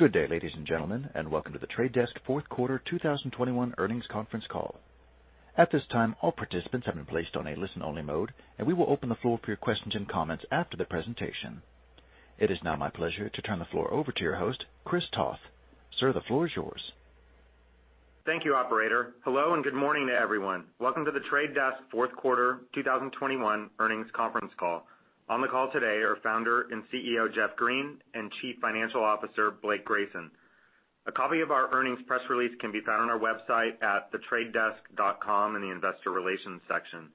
Good day, ladies and gentlemen, and welcome to The Trade Desk fourth quarter 2021 earnings conference call. At this time, all participants have been placed on a listen-only mode, and we will open the floor for your questions and comments after the presentation. It is now my pleasure to turn the floor over to your host, Chris Toth. Sir, the floor is yours. Thank you, operator. Hello, and good morning to everyone. Welcome to The Trade Desk fourth quarter 2021 earnings conference call. On the call today are Founder and CEO, Jeff Green, and Chief Financial Officer, Blake Grayson. A copy of our earnings press release can be found on our website at thetradedesk.com in the investor relations section.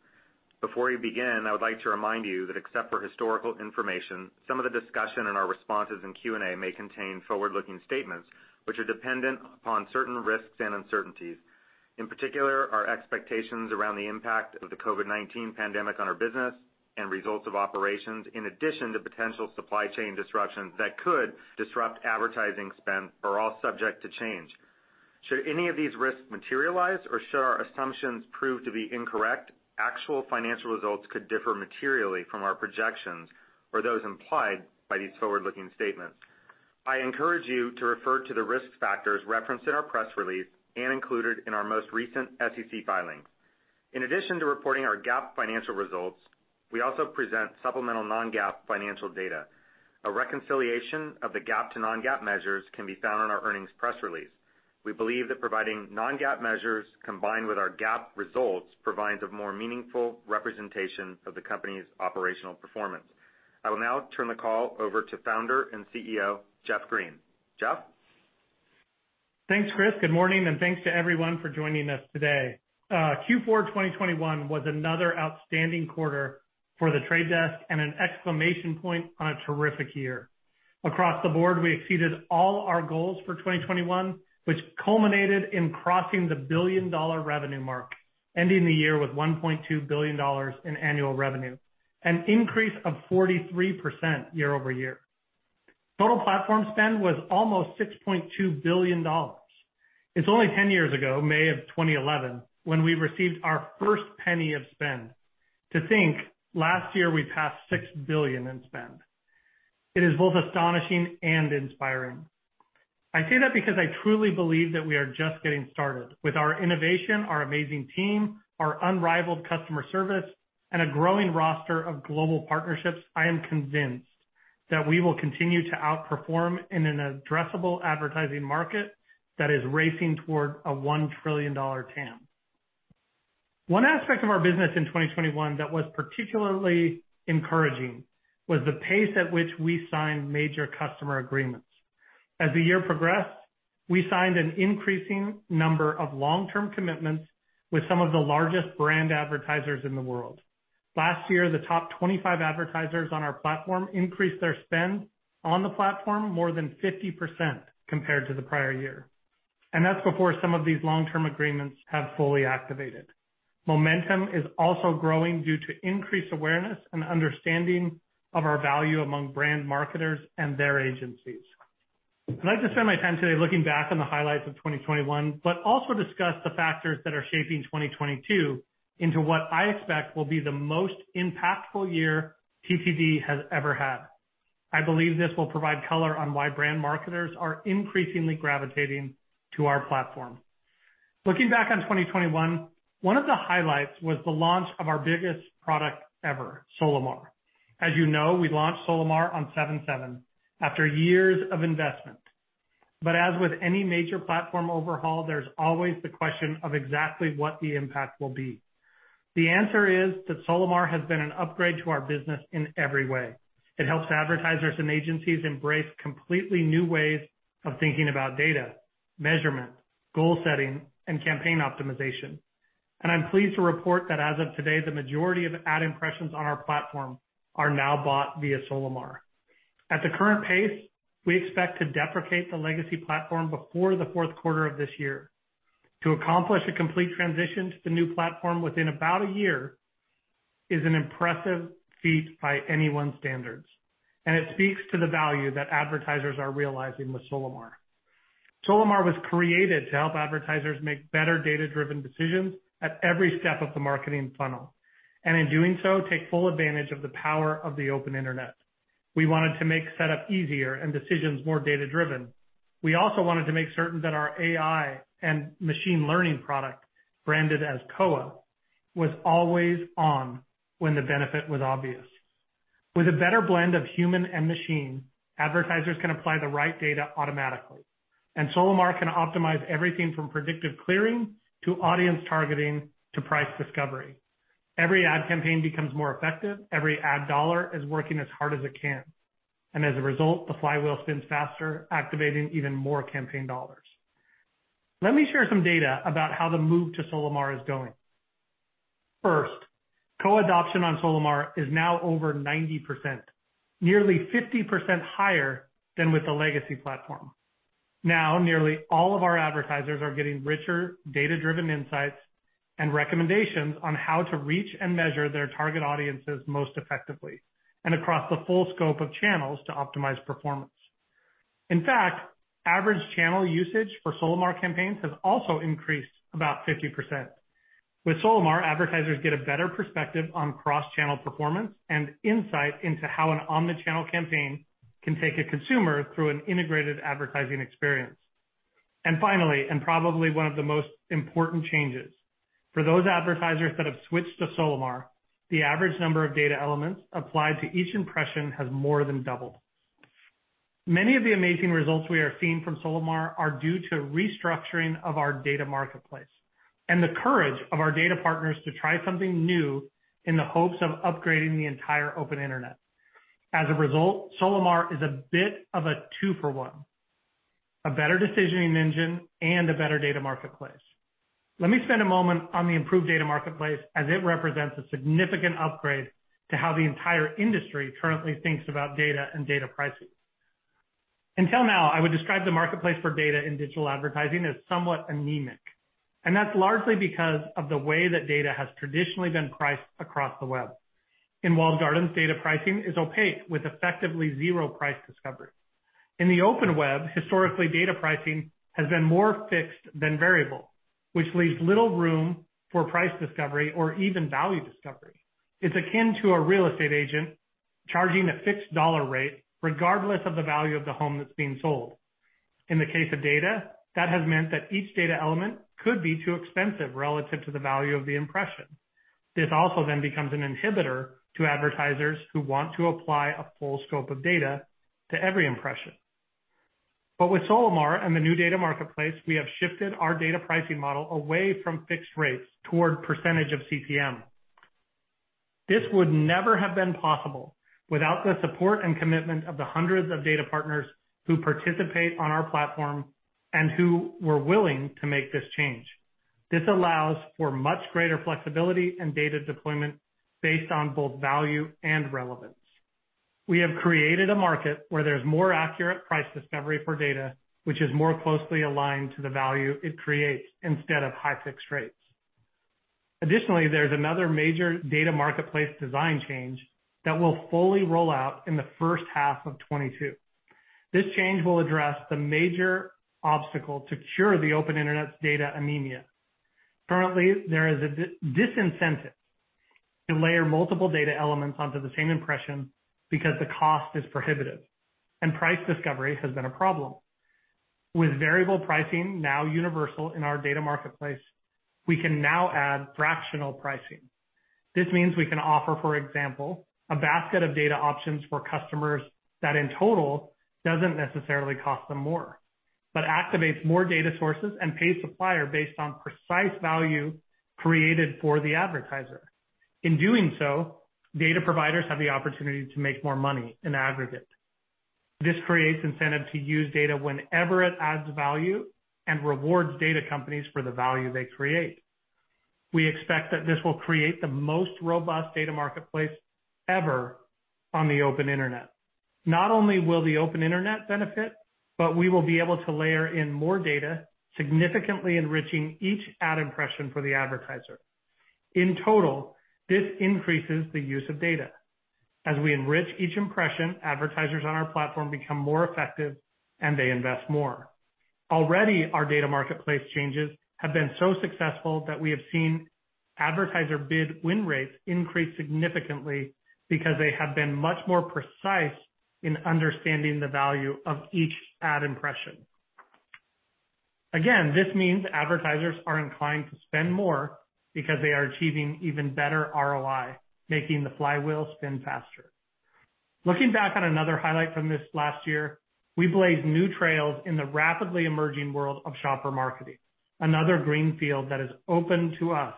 Before we begin, I would like to remind you that except for historical information, some of the discussion and our responses in Q&A may contain forward-looking statements which are dependent upon certain risks and uncertainties. In particular, our expectations around the impact of the COVID-19 pandemic on our business and results of operations, in addition to potential supply chain disruptions that could disrupt advertising spend, are all subject to change. Should any of these risks materialize or should our assumptions prove to be incorrect, actual financial results could differ materially from our projections or those implied by these forward-looking statements. I encourage you to refer to the risk factors referenced in our press release and included in our most recent SEC filings. In addition to reporting our GAAP financial results, we also present supplemental non-GAAP financial data. A reconciliation of the GAAP to non-GAAP measures can be found on our earnings press release. We believe that providing non-GAAP measures combined with our GAAP results provides a more meaningful representation of the company's operational performance. I will now turn the call over to Founder and CEO, Jeff Green. Jeff? Thanks, Chris. Good morning, and thanks to everyone for joining us today. Q4 2021 was another outstanding quarter for The Trade Desk and an exclamation point on a terrific year. Across the board, we exceeded all our goals for 2021, which culminated in crossing the billion-dollar revenue mark, ending the year with $1.2 billion in annual revenue, an increase of 43% year-over-year. Total platform spend was almost $6.2 billion. It's only 10 years ago, May 2011, when we received our first penny of spend. To think, last year we passed $6 billion in spend. It is both astonishing and inspiring. I say that because I truly believe that we are just getting started. With our innovation, our amazing team, our unrivaled customer service, and a growing roster of global partnerships, I am convinced that we will continue to outperform in an addressable advertising market that is racing toward a $1 trillion TAM. One aspect of our business in 2021 that was particularly encouraging was the pace at which we signed major customer agreements. As the year progressed, we signed an increasing number of long-term commitments with some of the largest brand advertisers in the world. Last year, the top 25 advertisers on our platform increased their spend on the platform more than 50% compared to the prior year, and that's before some of these long-term agreements have fully activated. Momentum is also growing due to increased awareness and understanding of our value among brand marketers and their agencies. I'd like to spend my time today looking back on the highlights of 2021, but also discuss the factors that are shaping 2022 into what I expect will be the most impactful year TTD has ever had. I believe this will provide color on why brand marketers are increasingly gravitating to our platform. Looking back on 2021, one of the highlights was the launch of our biggest product ever, Solimar. As you know, we launched Solimar on 7/7 after years of investment. As with any major platform overhaul, there's always the question of exactly what the impact will be. The answer is that Solimar has been an upgrade to our business in every way. It helps advertisers and agencies embrace completely new ways of thinking about data, measurement, goal setting, and campaign optimization. I'm pleased to report that as of today, the majority of ad impressions on our platform are now bought via Solimar. At the current pace, we expect to deprecate the legacy platform before the fourth quarter of this year. To accomplish a complete transition to the new platform within about a year is an impressive feat by anyone's standards, and it speaks to the value that advertisers are realizing with Solimar. Solimar was created to help advertisers make better data-driven decisions at every step of the marketing funnel, and in doing so, take full advantage of the power of the open internet. We wanted to make setup easier and decisions more data-driven. We also wanted to make certain that our AI and machine learning product, branded as Koa, was always on when the benefit was obvious. With a better blend of human and machine, advertisers can apply the right data automatically, and Solimar can optimize everything from predictive clearing to audience targeting to price discovery. Every ad campaign becomes more effective. Every Ad dollar is working as hard as it can. As a result, the flywheel spins faster, activating even more campaign dollars. Let me share some data about how the move to Solimar is going. First, Koa adoption on Solimar is now over 90%, nearly 50% higher than with the legacy platform. Now, nearly all of our advertisers are getting richer, data-driven insights and recommendations on how to reach and measure their target audiences most effectively and across the full scope of channels to optimize performance. In fact, average channel usage for Solimar campaigns has also increased about 50%. With Solimar, advertisers get a better perspective on cross-channel performance and insight into how an omni-channel campaign can take a consumer through an integrated advertising experience. Finally, and probably one of the most important changes, for those advertisers that have switched to Solimar, the average number of data elements applied to each impression has more than doubled. Many of the amazing results we are seeing from Solimar are due to restructuring of our data marketplace and the courage of our data partners to try something new in the hopes of upgrading the entire open internet. As a result, Solimar is a bit of a two-for-one, a better decisioning engine and a better data marketplace. Let me spend a moment on the improved data marketplace as it represents a significant upgrade to how the entire industry currently thinks about data and data pricing. Until now, I would describe the marketplace for data in digital advertising as somewhat anemic, and that's largely because of the way that data has traditionally been priced across the web. In walled gardens, data pricing is opaque with effectively zero price discovery. In the open web, historically, data pricing has been more fixed than variable, which leaves little room for price discovery or even value discovery. It's akin to a real estate agent charging a fixed dollar rate regardless of the value of the home that's being sold. In the case of data, that has meant that each data element could be too expensive relative to the value of the impression. This also then becomes an inhibitor to advertisers who want to apply a full scope of data to every impression. With Solimar and the new data marketplace, we have shifted our data pricing model away from fixed rates toward percentage of CPM. This would never have been possible without the support and commitment of the hundreds of data partners who participate on our platform and who were willing to make this change. This allows for much greater flexibility and data deployment based on both value and relevance. We have created a market where there's more accurate price discovery for data, which is more closely aligned to the value it creates instead of high fixed rates. Additionally, there's another major data marketplace design change that will fully roll out in the first half of 2022. This change will address the major obstacle to cure the open internet's data anemia. Currently, there is a disincentive to layer multiple data elements onto the same impression because the cost is prohibitive, and price discovery has been a problem. With variable pricing now universal in our data marketplace, we can now add fractional pricing. This means we can offer, for example, a basket of data options for customers that in total doesn't necessarily cost them more, but activates more data sources and pays supplier based on precise value created for the advertiser. In doing so, data providers have the opportunity to make more money in aggregate. This creates incentive to use data whenever it adds value and rewards data companies for the value they create. We expect that this will create the most robust data marketplace ever on the open internet. Not only will the open internet benefit, but we will be able to layer in more data, significantly enriching each ad impression for the advertiser. In total, this increases the use of data. As we enrich each impression, advertisers on our platform become more effective, and they invest more. Already, our data marketplace changes have been so successful that we have seen advertiser bid win rates increase significantly because they have been much more precise in understanding the value of each ad impression. Again, this means advertisers are inclined to spend more because they are achieving even better ROI, making the flywheel spin faster. Looking back on another highlight from this last year, we blazed new trails in the rapidly emerging world of shopper marketing, another green field that is open to us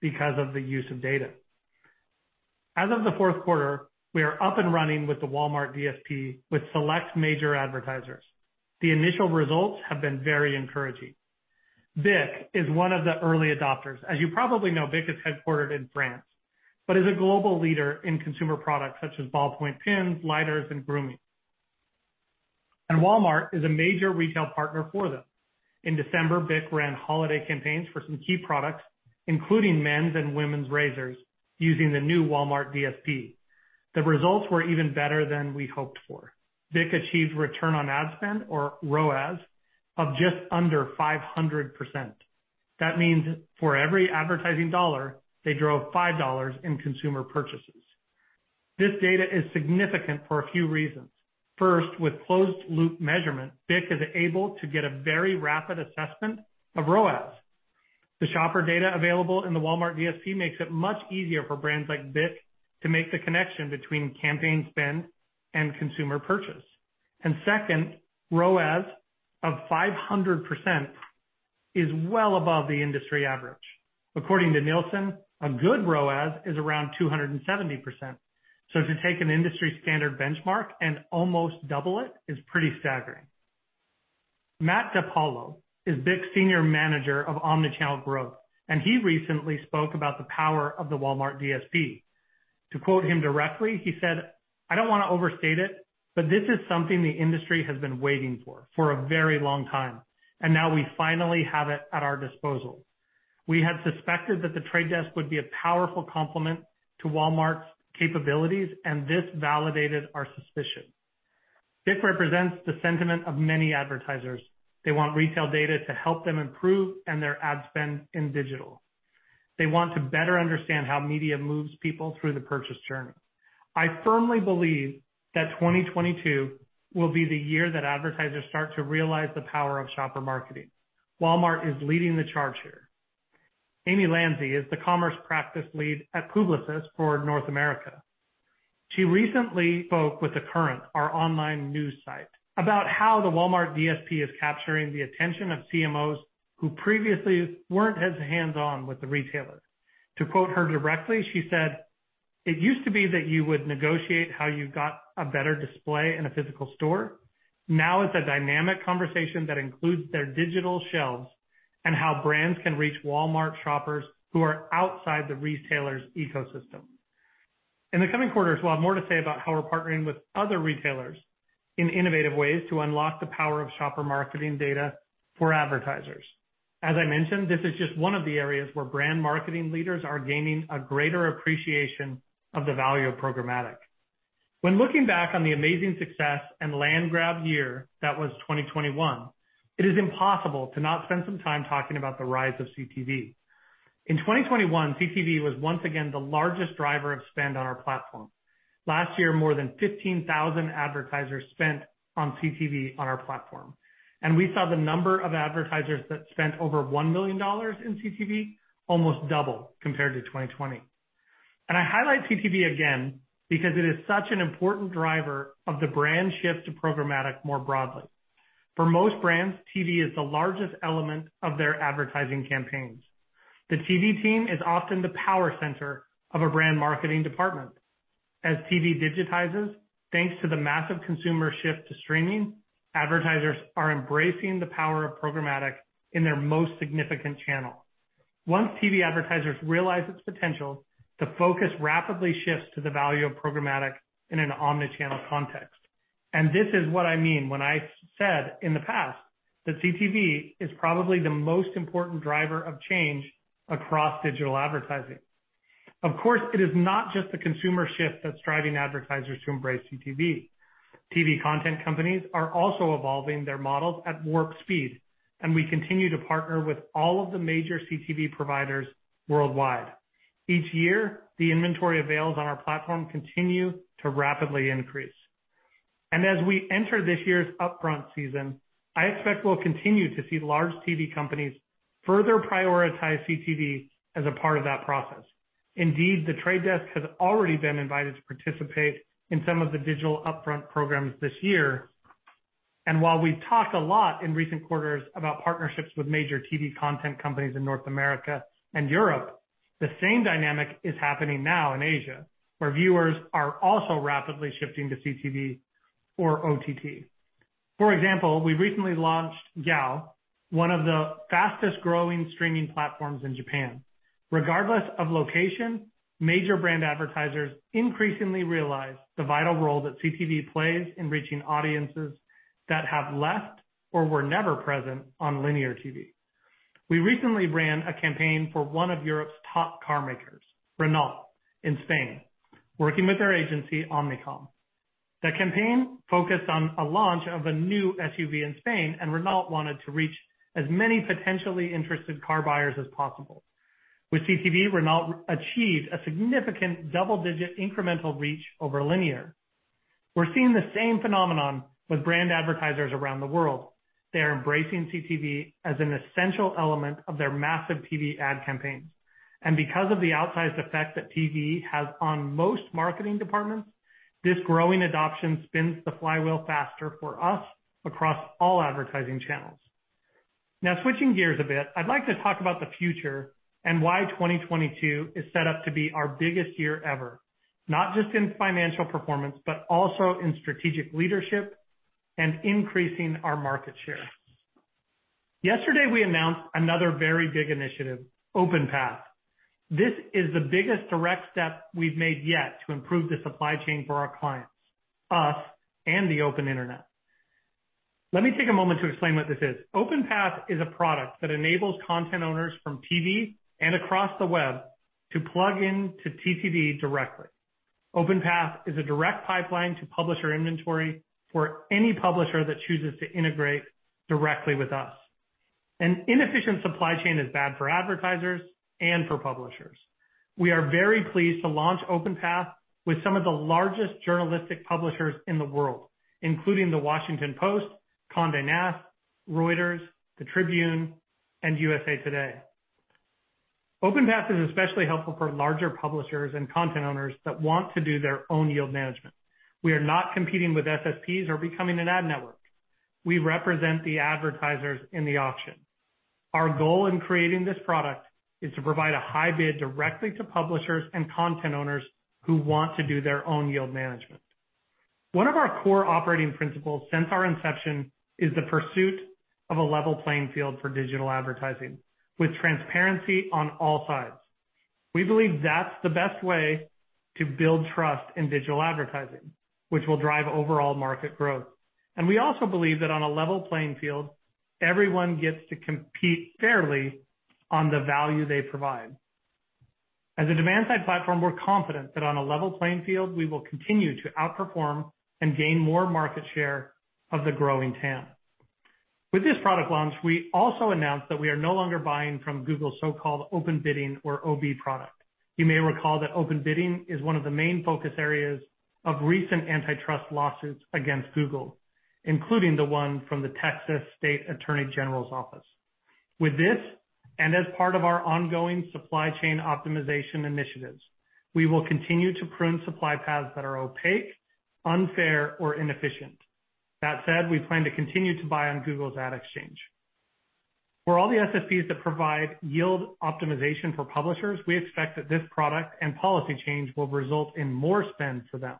because of the use of data. As of the fourth quarter, we are up and running with the Walmart DSP with select major advertisers. The initial results have been very encouraging. BIC is one of the early adopters. As you probably know, BIC is headquartered in France, but is a global leader in consumer products such as ballpoint pens, lighters, and grooming. Walmart is a major retail partner for them. In December, BIC ran holiday campaigns for some key products, including men's and women's razors, using the new Walmart DSP. The results were even better than we hoped for. BIC achieved return on ad spend or ROAS of just under 500%. That means for every advertising dollar they drove $5 in consumer purchases. This data is significant for a few reasons. First, with closed-loop measurement, BIC is able to get a very rapid assessment of ROAS. The shopper data available in the Walmart DSP makes it much easier for brands like BIC to make the connection between campaign spend and consumer purchase. Second, ROAS of 500% is well above the industry average. According to Nielsen, a good ROAS is around 270%. To take an industry standard benchmark and almost double it is pretty staggering. Matt DePaolo is BIC's Senior Manager of Omnichannel Growth, and he recently spoke about the power of the Walmart DSP. To quote him directly, he said, "I don't wanna overstate it, but this is something the industry has been waiting for a very long time, and now we finally have it at our disposal. We had suspected that The Trade Desk would be a powerful complement to Walmart's capabilities, and this validated our suspicion." This represents the sentiment of many advertisers. They want retail data to help them improve and their ad spend in digital. They want to better understand how media moves people through the purchase journey. I firmly believe that 2022 will be the year that advertisers start to realize the power of shopper marketing. Walmart is leading the charge here. Amy Lanzi is the Commerce Practice Lead for North America at Publicis Groupe. She recently spoke with The Current, our online news site, about how the Walmart DSP is capturing the attention of CMOs who previously weren't as hands-on with the retailer. To quote her directly, she said, "It used to be that you would negotiate how you got a better display in a physical store. Now it's a dynamic conversation that includes their digital shelves and how brands can reach Walmart shoppers who are outside the retailer's ecosystem. In the coming quarters, we'll have more to say about how we're partnering with other retailers in innovative ways to unlock the power of shopper marketing data for advertisers. As I mentioned, this is just one of the areas where brand marketing leaders are gaining a greater appreciation of the value of programmatic. When looking back on the amazing success and land grab year that was 2021, it is impossible to not spend some time talking about the rise of CTV. In 2021, CTV was once again the largest driver of spend on our platform. Last year, more than 15,000 advertisers spent on CTV on our platform, and we saw the number of advertisers that spent over $1 million in CTV almost double compared to 2020. I highlight CTV again because it is such an important driver of the brand shift to programmatic more broadly. For most brands, TV is the largest element of their advertising campaigns. The TV team is often the power center of a brand marketing department. As TV digitizes, thanks to the massive consumer shift to streaming, advertisers are embracing the power of programmatic in their most significant channel. Once TV advertisers realize its potential, the focus rapidly shifts to the value of programmatic in an omnichannel context. This is what I mean when I said in the past that CTV is probably the most important driver of change across digital advertising. Of course, it is not just the consumer shift that's driving advertisers to embrace CTV. TV content companies are also evolving their models at warp speed, and we continue to partner with all of the major CTV providers worldwide. Each year, the inventory avails on our platform continue to rapidly increase. As we enter this year's upfront season, I expect we'll continue to see large TV companies further prioritize CTV as a part of that process. Indeed, The Trade Desk has already been invited to participate in some of the digital upfront programs this year. While we've talked a lot in recent quarters about partnerships with major TV content companies in North America and Europe, the same dynamic is happening now in Asia, where viewers are also rapidly shifting to CTV or OTT. For example, we recently launched GYAO, one of the fastest-growing streaming platforms in Japan. Regardless of location, major brand advertisers increasingly realize the vital role that CTV plays in reaching audiences that have left or were never present on linear TV. We recently ran a campaign for one of Europe's top car makers, Renault, in Spain, working with our agency, Omnicom. The campaign focused on a launch of a new SUV in Spain, and Renault wanted to reach as many potentially interested car buyers as possible. With CTV, Renault achieved a significant double-digit incremental reach over linear. We're seeing the same phenomenon with brand advertisers around the world. They are embracing CTV as an essential element of their massive TV ad campaigns. Because of the outsized effect that TV has on most marketing departments, this growing adoption spins the flywheel faster for us across all advertising channels. Now, switching gears a bit, I'd like to talk about the future and why 2022 is set up to be our biggest year ever, not just in financial performance, but also in strategic leadership and increasing our market share. Yesterday, we announced another very big initiative, OpenPath. This is the biggest direct step we've made yet to improve the supply chain for our clients, us, and the open internet. Let me take a moment to explain what this is. OpenPath is a product that enables content owners from TV and across the web to plug into TTD directly. OpenPath is a direct pipeline to publisher inventory for any publisher that chooses to integrate directly with us. An inefficient supply chain is bad for advertisers and for publishers. We are very pleased to launch OpenPath with some of the largest journalistic publishers in the world, including The Washington Post, Condé Nast, Reuters, Tribune Publishing, and USA Today. OpenPath is especially helpful for larger publishers and content owners that want to do their own yield management. We are not competing with SSPs or becoming an ad network. We represent the advertisers in the auction. Our goal in creating this product is to provide a high bid directly to publishers and content owners who want to do their own yield management. One of our core operating principles since our inception is the pursuit of a level playing field for digital advertising with transparency on all sides. We believe that's the best way to build trust in digital advertising, which will drive overall market growth. We also believe that on a level playing field, everyone gets to compete fairly on the value they provide. As a demand-side platform, we're confident that on a level playing field, we will continue to outperform and gain more market share of the growing TAM. With this product launch, we also announced that we are no longer buying from Google's so-called Open Bidding or OB product. You may recall that Open Bidding is one of the main focus areas of recent antitrust lawsuits against Google, including the one from the Texas State Attorney General's office. With this, and as part of our ongoing supply chain optimization initiatives, we will continue to prune supply paths that are opaque, unfair or inefficient. That said, we plan to continue to buy on Google's Ad Exchange. For all the SSPs that provide yield optimization for publishers, we expect that this product and policy change will result in more spend for them.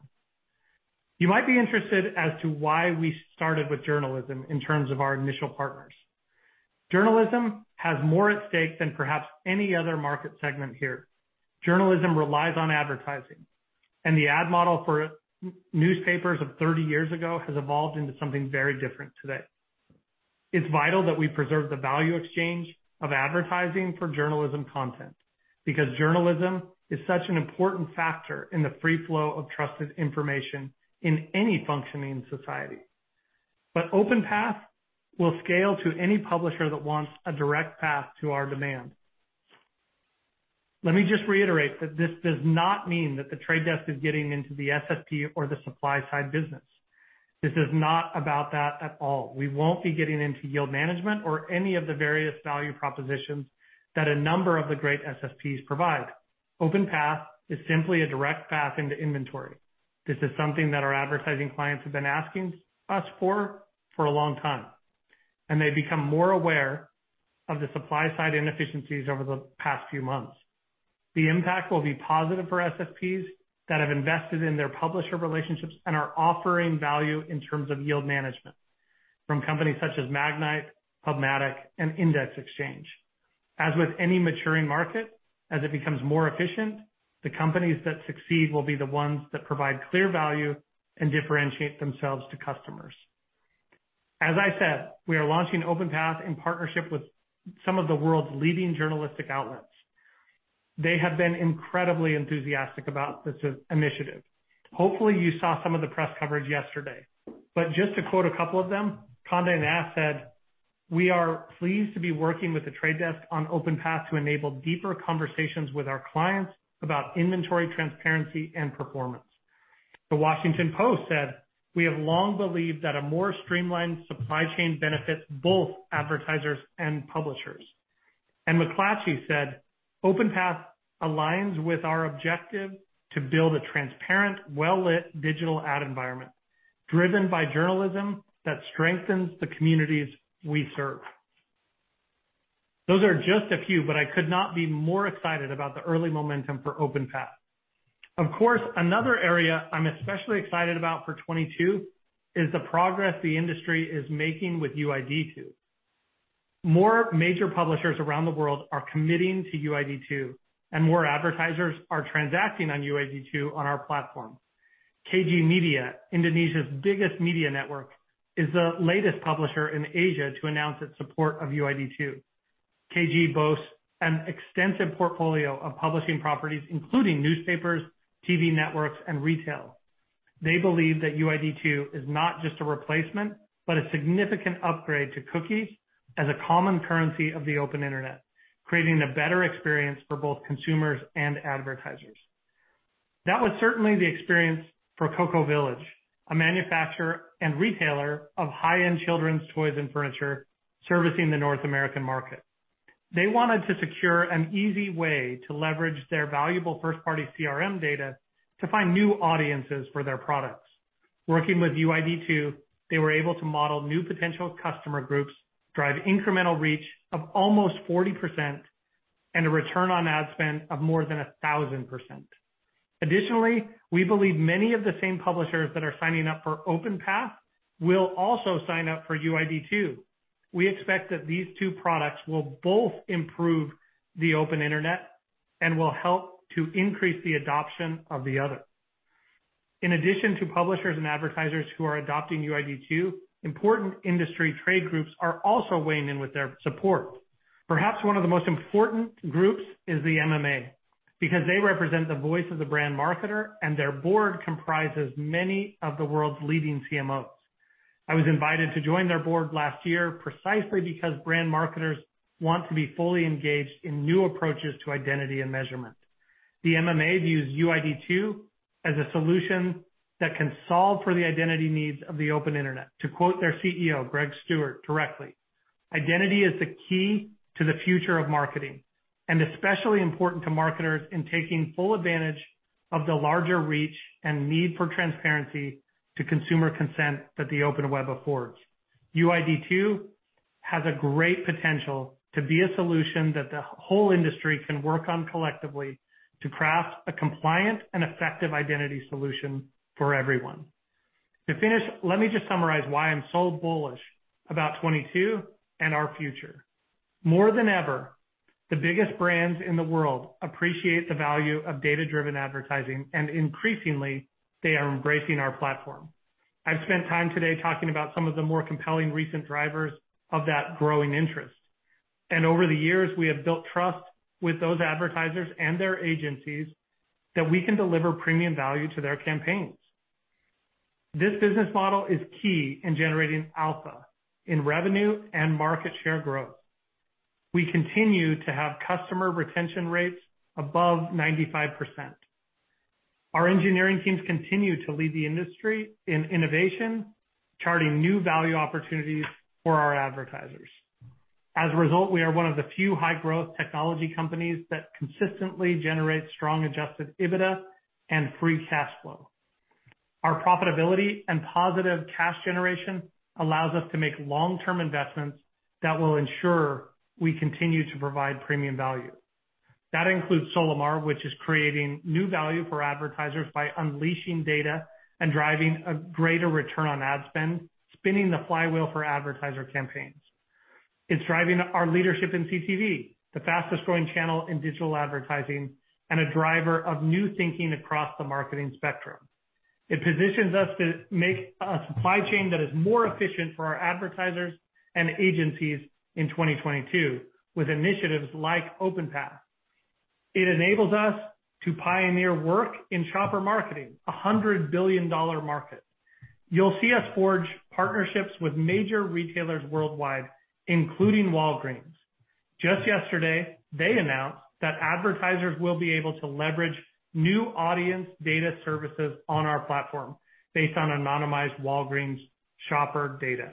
You might be interested as to why we started with journalism in terms of our initial partners. Journalism has more at stake than perhaps any other market segment here. Journalism relies on advertising, and the ad model for newspapers of 30 years ago has evolved into something very different today. It's vital that we preserve the value exchange of advertising for journalism content, because journalism is such an important factor in the free flow of trusted information in any functioning society. OpenPath will scale to any publisher that wants a direct path to our demand. Let me just reiterate that this does not mean that The Trade Desk is getting into the SSP or the supply side business. This is not about that at all. We won't be getting into yield management or any of the various value propositions that a number of the great SSPs provide. OpenPath is simply a direct path into inventory. This is something that our advertising clients have been asking us for a long time, and they become more aware of the supply side inefficiencies over the past few months. The impact will be positive for SSPs that have invested in their publisher relationships and are offering value in terms of yield management from companies such as Magnite, PubMatic and Index Exchange. As with any maturing market, as it becomes more efficient, the companies that succeed will be the ones that provide clear value and differentiate themselves to customers. As I said, we are launching OpenPath in partnership with some of the world's leading journalistic outlets. They have been incredibly enthusiastic about this initiative. Hopefully, you saw some of the press coverage yesterday, but just to quote a couple of them, Condé Nast said, "We are pleased to be working with The Trade Desk on Open Path to enable deeper conversations with our clients about inventory, transparency and performance." The Washington Post said, "We have long believed that a more streamlined supply chain benefits both advertisers and publishers." And McClatchy said, "OpenPath aligns with our objective to build a transparent, well-lit digital ad environment driven by journalism that strengthens the communities we serve." Those are just a few, but I could not be more excited about the early momentum for OpenPath. Of course, another area I'm especially excited about for 2022 is the progress the industry is making with UID2. More major publishers around the world are committing to UID2, and more advertisers are transacting on UID2 on our platform. KG Media, Indonesia's biggest media network, is the latest publisher in Asia to announce its support of UID2. KG boasts an extensive portfolio of publishing properties including newspapers, TV networks and retail. They believe that UID2 is not just a replacement, but a significant upgrade to cookies as a common currency of the open internet, creating a better experience for both consumers and advertisers. That was certainly the experience for Coco Village, a manufacturer and retailer of high-end children's toys and furniture servicing the North American market. They wanted to secure an easy way to leverage their valuable first-party CRM data to find new audiences for their products. Working with UID2, they were able to model new potential customer groups, drive incremental reach of almost 40% and a return on ad spend of more than 1,000%. Additionally, we believe many of the same publishers that are signing up for OpenPath will also sign up for UID2. We expect that these two products will both improve the open internet and will help to increase the adoption of the other. In addition to publishers and advertisers who are adopting UID2, important industry trade groups are also weighing in with their support. Perhaps one of the most important groups is the MMA, because they represent the voice of the brand marketer, and their board comprises many of the world's leading CMOs. I was invited to join their board last year precisely because brand marketers want to be fully engaged in new approaches to identity and measurement. The MMA views UID2 as a solution that can solve for the identity needs of the open internet. To quote their CEO, Greg Stuart, directly, "Identity is the key to the future of marketing, and especially important to marketers in taking full advantage of the larger reach and need for transparency to consumer consent that the open web affords. UID two has a great potential to be a solution that the whole industry can work on collectively to craft a compliant and effective identity solution for everyone." To finish, let me just summarize why I'm so bullish about 2022 and our future. More than ever, the biggest brands in the world appreciate the value of data-driven advertising, and increasingly they are embracing our platform. I've spent time today talking about some of the more compelling recent drivers of that growing interest. Over the years, we have built trust with those advertisers and their agencies that we can deliver premium value to their campaigns. This business model is key in generating alpha in revenue and market share growth. We continue to have customer retention rates above 95%. Our engineering teams continue to lead the industry in innovation, charting new value opportunities for our advertisers. As a result, we are one of the few high-growth technology companies that consistently generates strong adjusted EBITDA and free cash flow. Our profitability and positive cash generation allows us to make long-term investments that will ensure we continue to provide premium value. That includes Solimar, which is creating new value for advertisers by unleashing data and driving a greater return on ad spend, spinning the flywheel for advertiser campaigns. It's driving our leadership in CTV, the fastest-growing channel in digital advertising, and a driver of new thinking across the marketing spectrum. It positions us to make a supply chain that is more efficient for our advertisers and agencies in 2022, with initiatives like OpenPath. It enables us to pioneer work in shopper marketing, a $100 billion market. You'll see us forge partnerships with major retailers worldwide, including Walgreens. Just yesterday, they announced that advertisers will be able to leverage new audience data services on our platform based on anonymized Walgreens shopper data.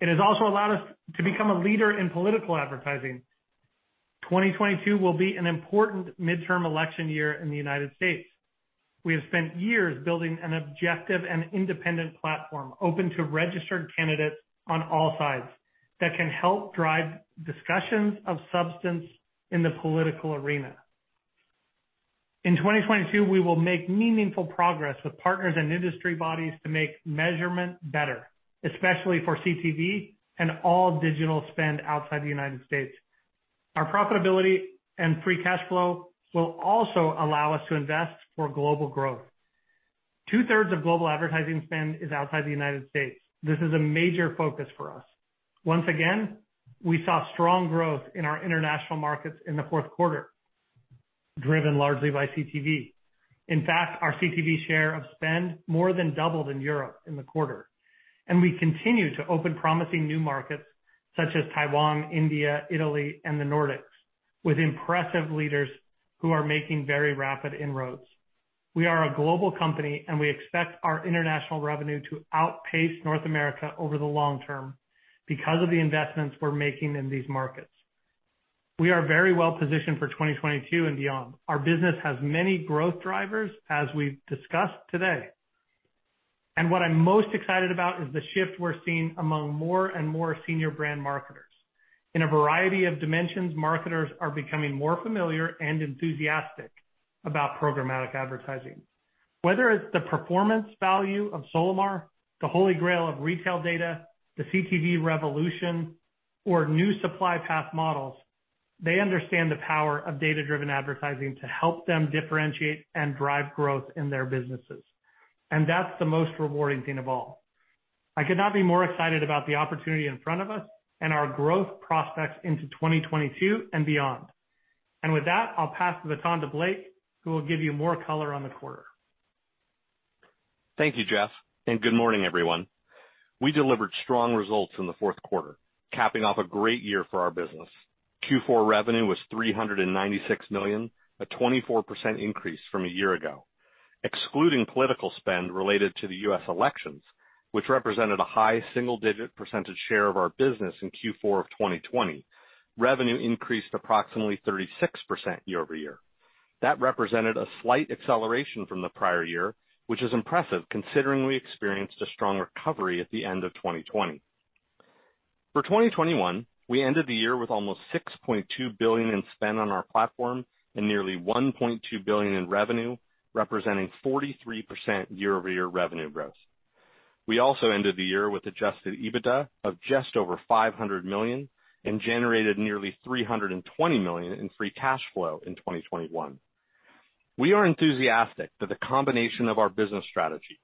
It has also allowed us to become a leader in political advertising. 2022 will be an important midterm election year in the United States. We have spent years building an objective and independent platform open to registered candidates on all sides that can help drive discussions of substance in the political arena. In 2022, we will make meaningful progress with partners and industry bodies to make measurement better, especially for CTV and all digital spend outside the United States. Our profitability and free cash flow will also allow us to invest for global growth. 2/3 of global advertising spend is outside the United States. This is a major focus for us. Once again, we saw strong growth in our international markets in the fourth quarter, driven largely by CTV. In fact, our CTV share of spend more than doubled in Europe in the quarter, and we continue to open promising new markets such as Taiwan, India, Italy, and The Nordics with impressive leaders who are making very rapid inroads. We are a global company, and we expect our international revenue to outpace North America over the long term because of the investments we're making in these markets. We are very well positioned for 2022 and beyond. Our business has many growth drivers, as we've discussed today. What I'm most excited about is the shift we're seeing among more and more senior brand marketers. In a variety of dimensions, marketers are becoming more familiar and enthusiastic about programmatic advertising. Whether it's the performance value of Solimar, the holy grail of retail data, the CTV revolution, or new supply path models, they understand the power of data-driven advertising to help them differentiate and drive growth in their businesses. That's the most rewarding thing of all. I could not be more excited about the opportunity in front of us and our growth prospects into 2022 and beyond. With that, I'll pass the baton to Blake, who will give you more color on the quarter. Thank you, Jeff, and good morning, everyone. We delivered strong results in the fourth quarter, capping off a great year for our business. Q4 revenue was $396 million, a 24% increase from a year ago. Excluding political spend related to the U.S. elections, which represented a high single-digit percentage share of our business in Q4 of 2020, revenue increased approximately 36% year-over-year. That represented a slight acceleration from the prior year, which is impressive considering we experienced a strong recovery at the end of 2020. For 2021, we ended the year with almost $6.2 billion in spend on our platform and nearly $1.2 billion in revenue, representing 43% year-over-year revenue growth. We also ended the year with adjusted EBITDA of just over $500 million and generated nearly $320 million in free cash flow in 2021. We are enthusiastic that the combination of our business strategy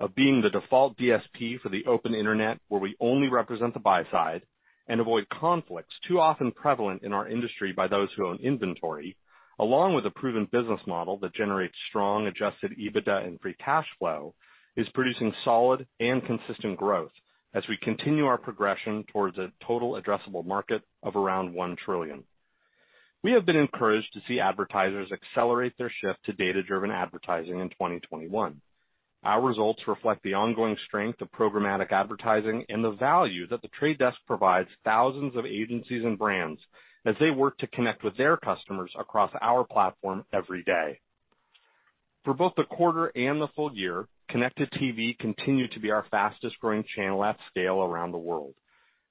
of being the default DSP for the open internet, where we only represent the buy side and avoid conflicts too often prevalent in our industry by those who own inventory, along with a proven business model that generates strong adjusted EBITDA and free cash flow, is producing solid and consistent growth as we continue our progression towards a total addressable market of around 1 trillion. We have been encouraged to see advertisers accelerate their shift to data-driven advertising in 2021. Our results reflect the ongoing strength of programmatic advertising and the value that The Trade Desk provides thousands of agencies and brands as they work to connect with their customers across our platform every day. For both the quarter and the full year, connected TV continued to be our fastest-growing channel at scale around the world.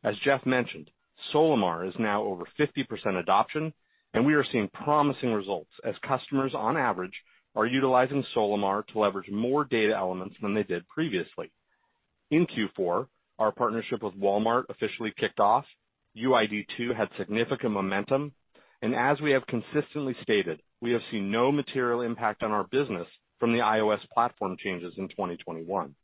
As Jeff mentioned, Solimar is now over 50% adoption, and we are seeing promising results as customers, on average, are utilizing Solimar to leverage more data elements than they did previously. In Q4, our partnership with Walmart officially kicked off. UID2 had significant momentum. As we have consistently stated, we have seen no material impact on our business from the iOS platform changes in 2021.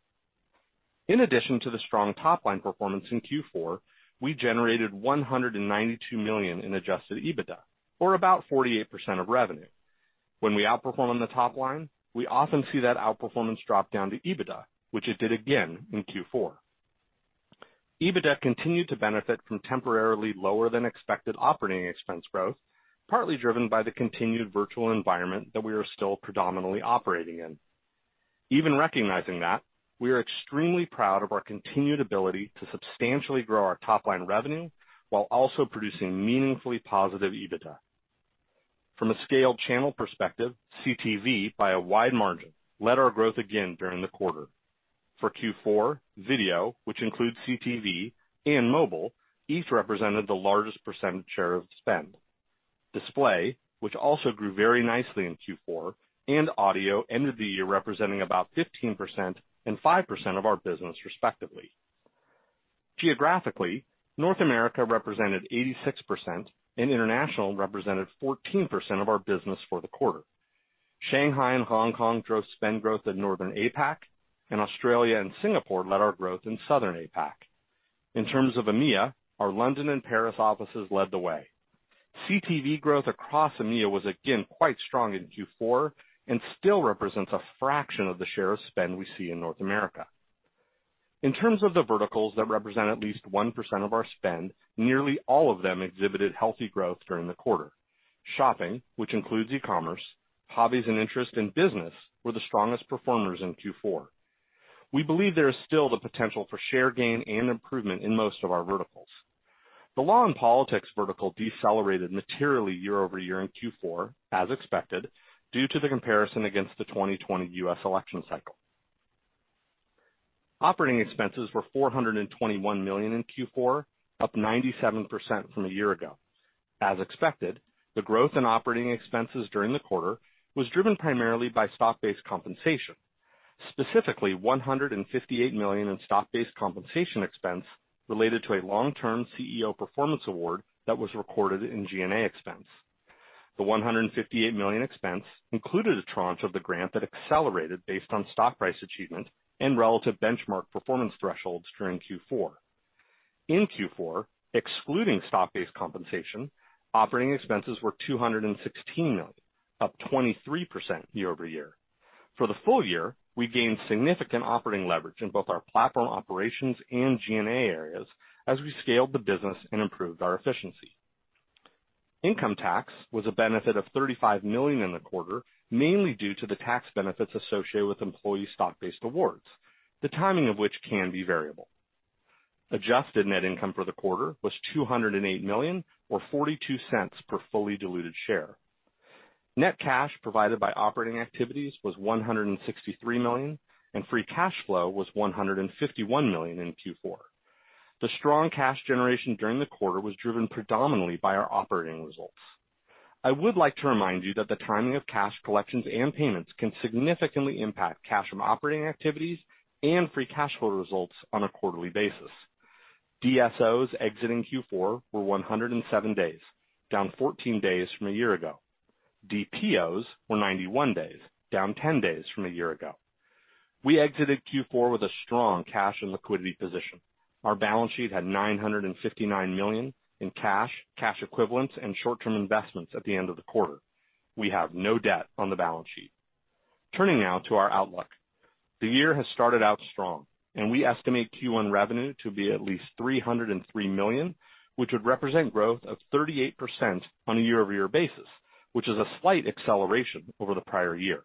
In addition to the strong top-line performance in Q4, we generated $192 million in adjusted EBITDA, or about 48% of revenue. When we outperform on the top line, we often see that outperformance drop-down to EBITDA, which it did again in Q4. EBITDA continued to benefit from temporarily lower than expected operating expense growth, partly driven by the continued virtual environment that we are still predominantly operating in. Even recognizing that, we are extremely proud of our continued ability to substantially grow our top-line revenue while also producing meaningfully positive EBITDA. From a scaled channel perspective, CTV by a wide margin, led our growth again during the quarter. For Q4, video, which includes CTV and mobile, each represented the largest percentage share of spend. Display, which also grew very nicely in Q4, and audio ended the year representing about 15% and 5% of our business, respectively. Geographically, North America represented 86%, and international represented 14% of our business for the quarter. Shanghai and Hong Kong drove spend growth in Northern APAC, and Australia and Singapore led our growth in Southern APAC. In terms of EMEA, our London and Paris offices led the way. CTV growth across EMEA was again quite strong in Q4 and still represents a fraction of the share of spend we see in North America. In terms of the verticals that represent at least 1% of our spend, nearly all of them exhibited healthy growth during the quarter. Shopping, which includes E-commerce, hobbies and interest in business, were the strongest performers in Q4. We believe there is still the potential for share gain and improvement in most of our verticals. The law and politics vertical decelerated materially year-over-year in Q4, as expected, due to the comparison against the 2020 U.S. election cycle. Operating expenses were $421 million in Q4, up 97% from a year ago. As expected, the growth in operating expenses during the quarter was driven primarily by stock-based compensation, specifically $158 million in stock-based compensation expense related to a long-term CEO performance award that was recorded in G&A expense. The $158 million expense included a tranche of the grant that accelerated based on stock price achievement and relative benchmark performance thresholds during Q4. In Q4, excluding stock-based compensation, operating expenses were $216 million, up 23% year-over-year. For the full year, we gained significant operating leverage in both our platform operations and G&A areas as we scaled the business and improved our efficiency. Income tax was a benefit of $35 million in the quarter, mainly due to the tax benefits associated with employee stock-based awards, the timing of which can be variable. Adjusted net income for the quarter was $208 million or $0.42 per fully diluted share. Net cash provided by operating activities was $163 million, and free cash flow was $151 million in Q4. The strong cash generation during the quarter was driven predominantly by our operating results. I would like to remind you that the timing of cash collections and payments can significantly impact cash from operating activities and free cash flow results on a quarterly basis. DSO exiting Q4 were 107 days, down 14 days from a year ago. DPO were 91 days, down 10 days from a year ago. We exited Q4 with a strong cash and liquidity position. Our balance sheet had $959 million in cash equivalents, and short-term investments at the end of the quarter. We have no debt on the balance sheet. Turning now to our outlook. The year has started out strong, and we estimate Q1 revenue to be at least $303 million, which would represent growth of 38% on a year-over-year basis, which is a slight acceleration over the prior year.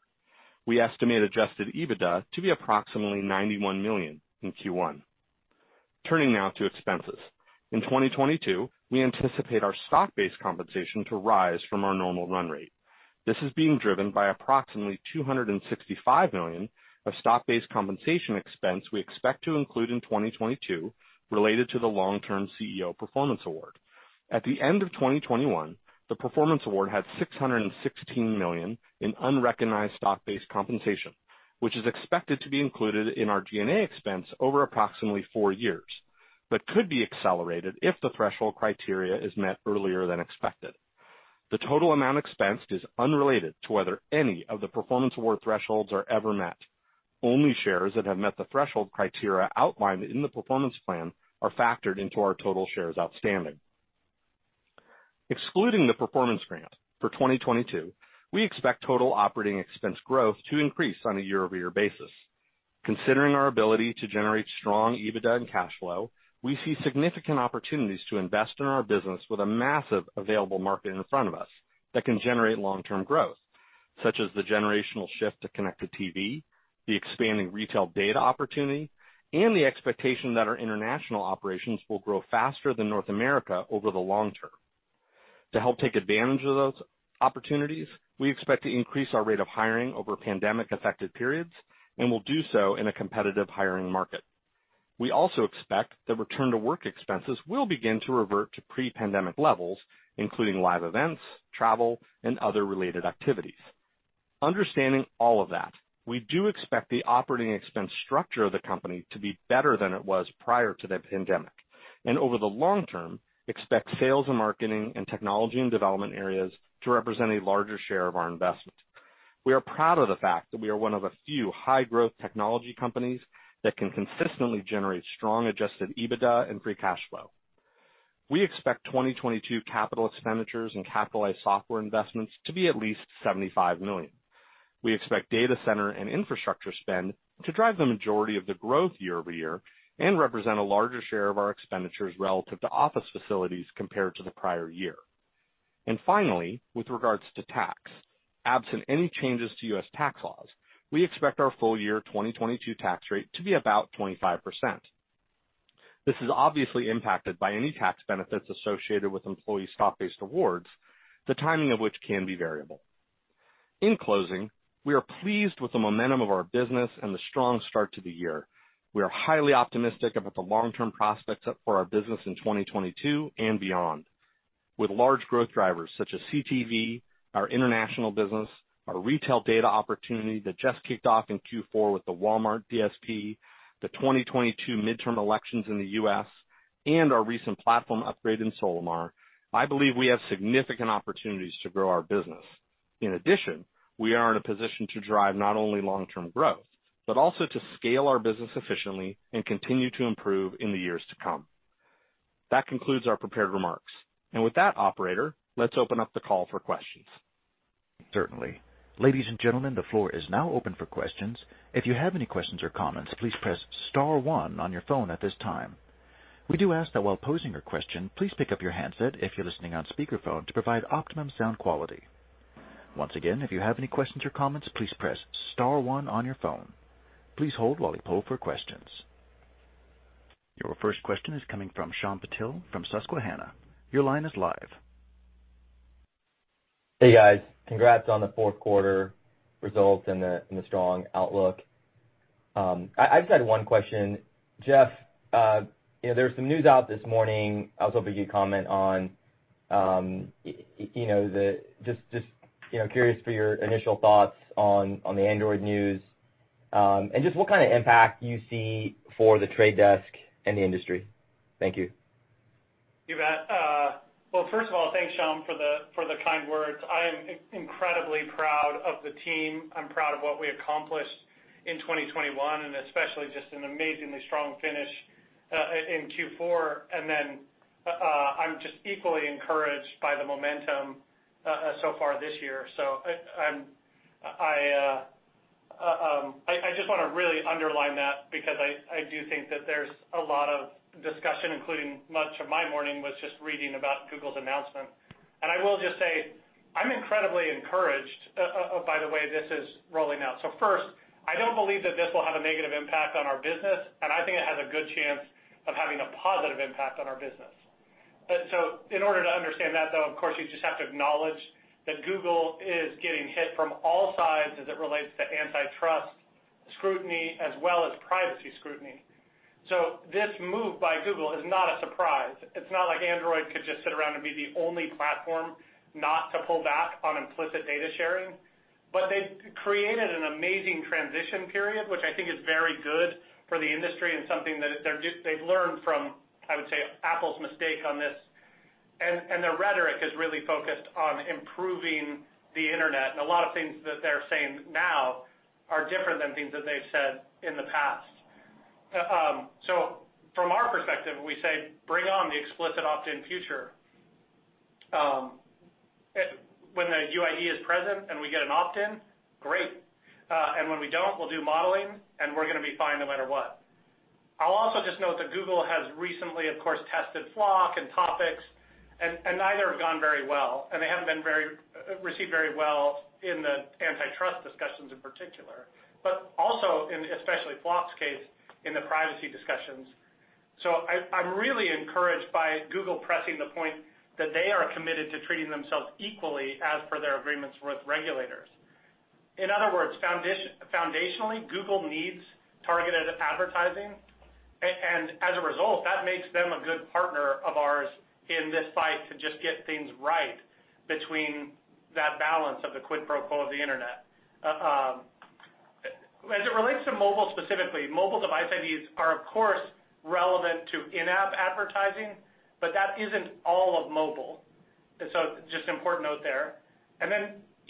We estimate adjusted EBITDA to be approximately $91 million in Q1. Turning now to expenses. In 2022, we anticipate our stock-based compensation to rise from our normal run rate. This is being driven by approximately $265 million of stock-based compensation expense we expect to include in 2022 related to the long-term CEO performance award. At the end of 2021, the performance award had $616 million in unrecognized stock-based compensation, which is expected to be included in our G&A expense over approximately four years, but could be accelerated if the threshold criteria is met earlier than expected. The total amount expensed is unrelated to whether any of the performance award thresholds are ever met. Only shares that have met the threshold criteria outlined in the performance plan are factored into our total shares outstanding. Excluding the performance grant, for 2022, we expect total operating expense growth to increase on a year-over-year basis. Considering our ability to generate strong EBITDA and cash flow, we see significant opportunities to invest in our business with a massive available market in front of us that can generate long-term growth, such as the generational shift to connected TV, the expanding retail data opportunity, and the expectation that our international operations will grow faster than North America over the long term. To help take advantage of those opportunities, we expect to increase our rate of hiring over pandemic-affected periods and will do so in a competitive hiring market. We also expect that return-to-work expenses will begin to revert to pre-pandemic levels, including live events, travel, and other related activities. Understanding all of that, we do expect the operating expense structure of the company to be better than it was prior to the pandemic, and over the long term, expect sales and marketing and technology and development areas to represent a larger share of our investment. We are proud of the fact that we are one of a few high-growth technology companies that can consistently generate strong adjusted EBITDA and free cash flow. We expect 2022 capital expenditures and capitalized software investments to be at least $75 million. We expect data center and infrastructure spend to drive the majority of the growth year over year and represent a larger share of our expenditures relative to office facilities compared to the prior year. Finally, with regards to tax, absent any changes to U.S. tax laws, we expect our full year 2022 tax rate to be about 25%. This is obviously impacted by any tax benefits associated with employee stock-based awards, the timing of which can be variable. In closing, we are pleased with the momentum of our business and the strong start to the year. We are highly optimistic about the long-term prospects for our business in 2022 and beyond. With large growth drivers such as CTV, our international business, our retail data opportunity that just kicked off in Q4 with the Walmart DSP, the 2022 midterm elections in the U.S., and our recent platform upgrade in Solimar, I believe we have significant opportunities to grow our business. In addition, we are in a position to drive not only long-term growth, but also to scale our business efficiently and continue to improve in the years to come. That concludes our prepared remarks. With that, operator, let's open up the call for questions. Certainly. Ladies and gentlemen, the floor is now open for questions. If you have any questions or comments, please press star one on your phone at this time. We do ask that while posing your question, please pick up your handset if you're listening on speakerphone to provide optimum sound quality. Once again, if you have any questions or comments, please press star one on your phone. Please hold while we poll for questions. Your first question is coming from Shyam Patil from Susquehanna. Your line is live. Hey, guys. Congrats on the fourth quarter results and the strong outlook. I just had one question. Jeff, you know, there's some news out this morning I was hoping you'd comment on, you know, just curious for your initial thoughts on the Android news, and just what kind of impact you see for The Trade Desk and the industry. Thank you. You bet. Well, first of all, thanks, Shyam, for the kind words. I am incredibly proud of the team. I'm proud of what we accomplished in 2021 and especially just an amazingly strong finish in Q4. I'm just equally encouraged by the momentum so far this year. I just wanna really underline that because I do think that there's a lot of discussion, including much of my morning was just reading about Google's announcement. I will just say, I'm incredibly encouraged by the way this is rolling out. First, I don't believe that this will have a negative impact on our business, and I think it has a good chance of having a positive impact on our business. In order to understand that, though, of course, you just have to acknowledge that Google is getting hit from all sides as it relates to antitrust scrutiny as well as privacy scrutiny. This move by Google is not a surprise. It's not like Android could just sit around and be the only platform not to pull back on implicit data sharing. They've created an amazing transition period, which I think is very good for the industry and something they've learned from, I would say, Apple's mistake on this. Their rhetoric is really focused on improving the Internet. A lot of things that they're saying now are different than things that they've said in the past. From our perspective, we say, bring on the explicit opt-in future. When the UID is present and we get an opt-in, great. When we don't, we'll do modeling, and we're gonna be fine no matter what. I'll also just note that Google has recently, of course, tested FLoC and Topics, and neither have gone very well, and they haven't been very well received in the antitrust discussions in particular, but also in, especially FLoC's case, in the privacy discussions. I'm really encouraged by Google pressing the point that they are committed to treating themselves equally as per their agreements with regulators. In other words, foundationally, Google needs targeted advertising. As a result, that makes them a good partner of ours in this fight to just get things right between that balance of the quid pro quo of the Internet. As it relates to mobile specifically, mobile device IDs are, of course, relevant to in-app advertising, but that isn't all of mobile.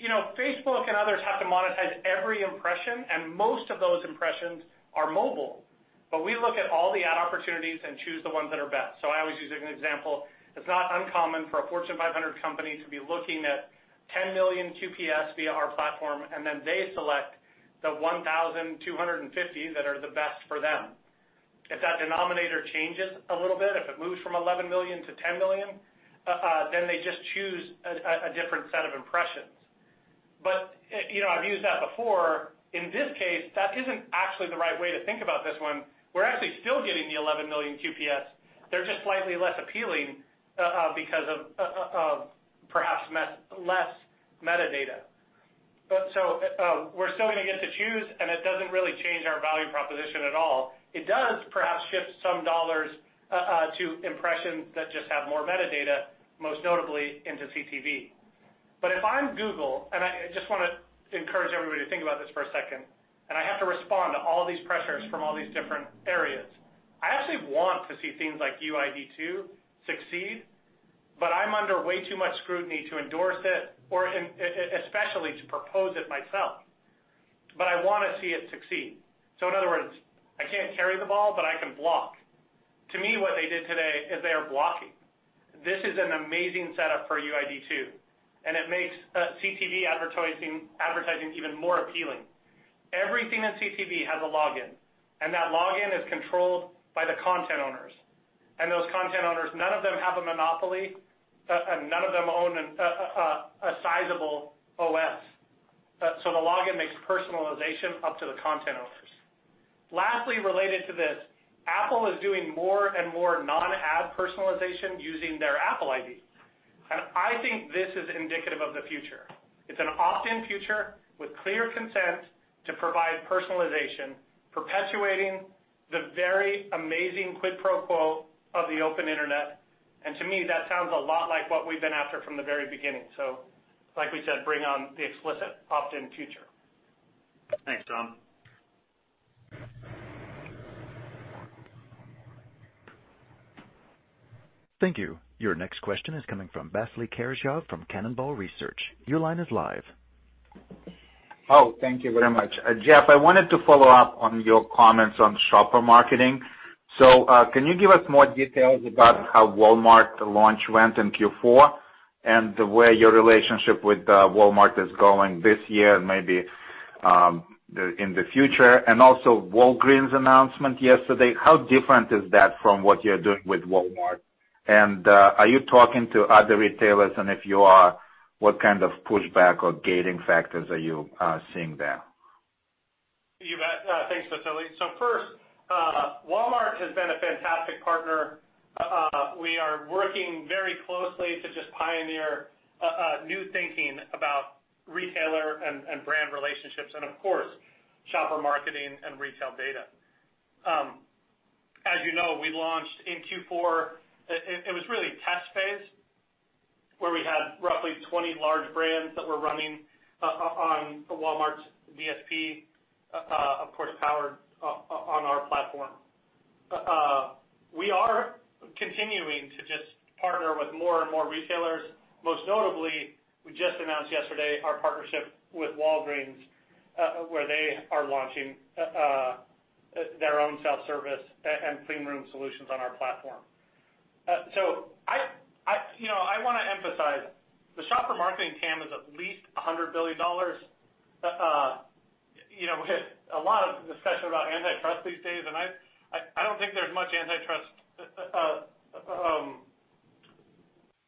You know, Facebook and others have to monetize every impression, and most of those impressions are mobile. We look at all the ad opportunities and choose the ones that are best. I always use an example. It's not uncommon for a Fortune 500 company to be looking at 10 million QPS via our platform, and then they select the 1,250 that are the best for them. If that denominator changes a little bit, if it moves from 11 million to 10 million, then they just choose a different set of impressions. You know, I've used that before. In this case, that isn't actually the right way to think about this one. We're actually still getting the 11 million QPS. They're just slightly less appealing because of perhaps less metadata. We're still gonna get to choose, and it doesn't really change our value proposition at all. It does perhaps shift some dollars to impressions that just have more metadata, most notably into CTV. If I'm Google, I just wanna encourage everybody to think about this for a second, and I have to respond to all these pressures from all these different areas. I actually want to see things like UID2 succeed, but I'm under way too much scrutiny to endorse it or especially to propose it myself. I wanna see it succeed. In other words, I can't carry the ball, but I can block. To me, what they did today is they are blocking. This is an amazing setup for UID2, and it makes CTV advertising even more appealing. Everything in CTV has a login, and that login is controlled by the content owners. Those content owners, none of them have a monopoly, and none of them own a sizable OS. The login makes personalization up to the content owners. Lastly, related to this, Apple is doing more and more non-ad personalization using their Apple ID. I think this is indicative of the future. It's an opt-in future with clear consent to provide personalization, perpetuating the very amazing quid pro quo of the open internet, and to me, that sounds a lot like what we've been after from the very beginning. Like we said, bring on the explicit opt-in future. Thanks, Tom. Thank you. Your next question is coming from Vasily Karasyov, from Cannonball Research. Your line is live. Thank you very much. Jeff, I wanted to follow up on your comments on shopper marketing. Can you give us more details about how Walmart launch went in Q4, and where your relationship with Walmart is going this year and maybe in the future? Also, Walgreens' announcement yesterday, how different is that from what you're doing with Walmart? Are you talking to other retailers, and if you are, what kind of push back or gating factors are you seeing there? You bet. Thanks, Vasily. First, Walmart has been a fantastic partner. We are working very closely to just pioneer new thinking about retailer and brand relationships and of course, shopper marketing and retail data. As you know, we launched in Q4. It was really test phase, where we had roughly 20 large brands that were running on Walmart DSP, of course, powered on our platform. We are continuing to just partner with more and more retailers. Most notably, we just announced yesterday our partnership with Walgreens, where they are launching their own self-service and clean room solutions on our platform. I, you know, I wanna emphasize, the shopper marketing TAM is at least $100 billion. You know, a lot of discussion about antitrust these days, and I don't think there's much antitrust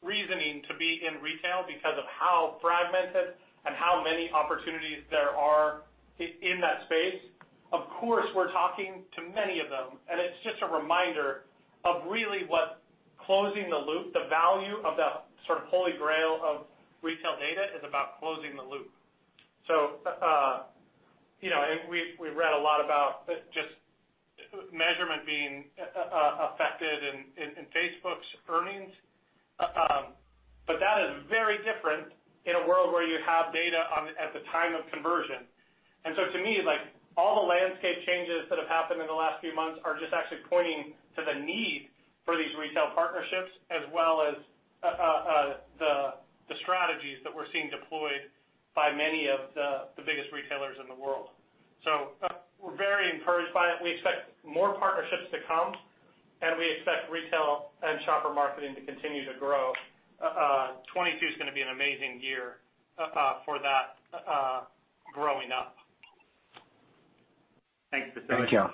reasoning to be in retail because of how fragmented and how many opportunities there are in that space. Of course, we're talking to many of them, and it's just a reminder of really what closing the loop, the value of the sort of holy grail of retail data is about closing the loop. You know, we read a lot about just measurement being affected in Facebook's earnings. That is very different in a world where you have data on at the time of conversion. To me, like all the landscape changes that have happened in the last few months are just actually pointing to the need for these retail partnerships as well as the strategies that we're seeing deployed by many of the biggest retailers in the world. We're very encouraged by it. We expect more partnerships to come, and we expect retail and shopper marketing to continue to grow. 2022 is gonna be an amazing year for that growth. Thanks, Vasily. Thank you.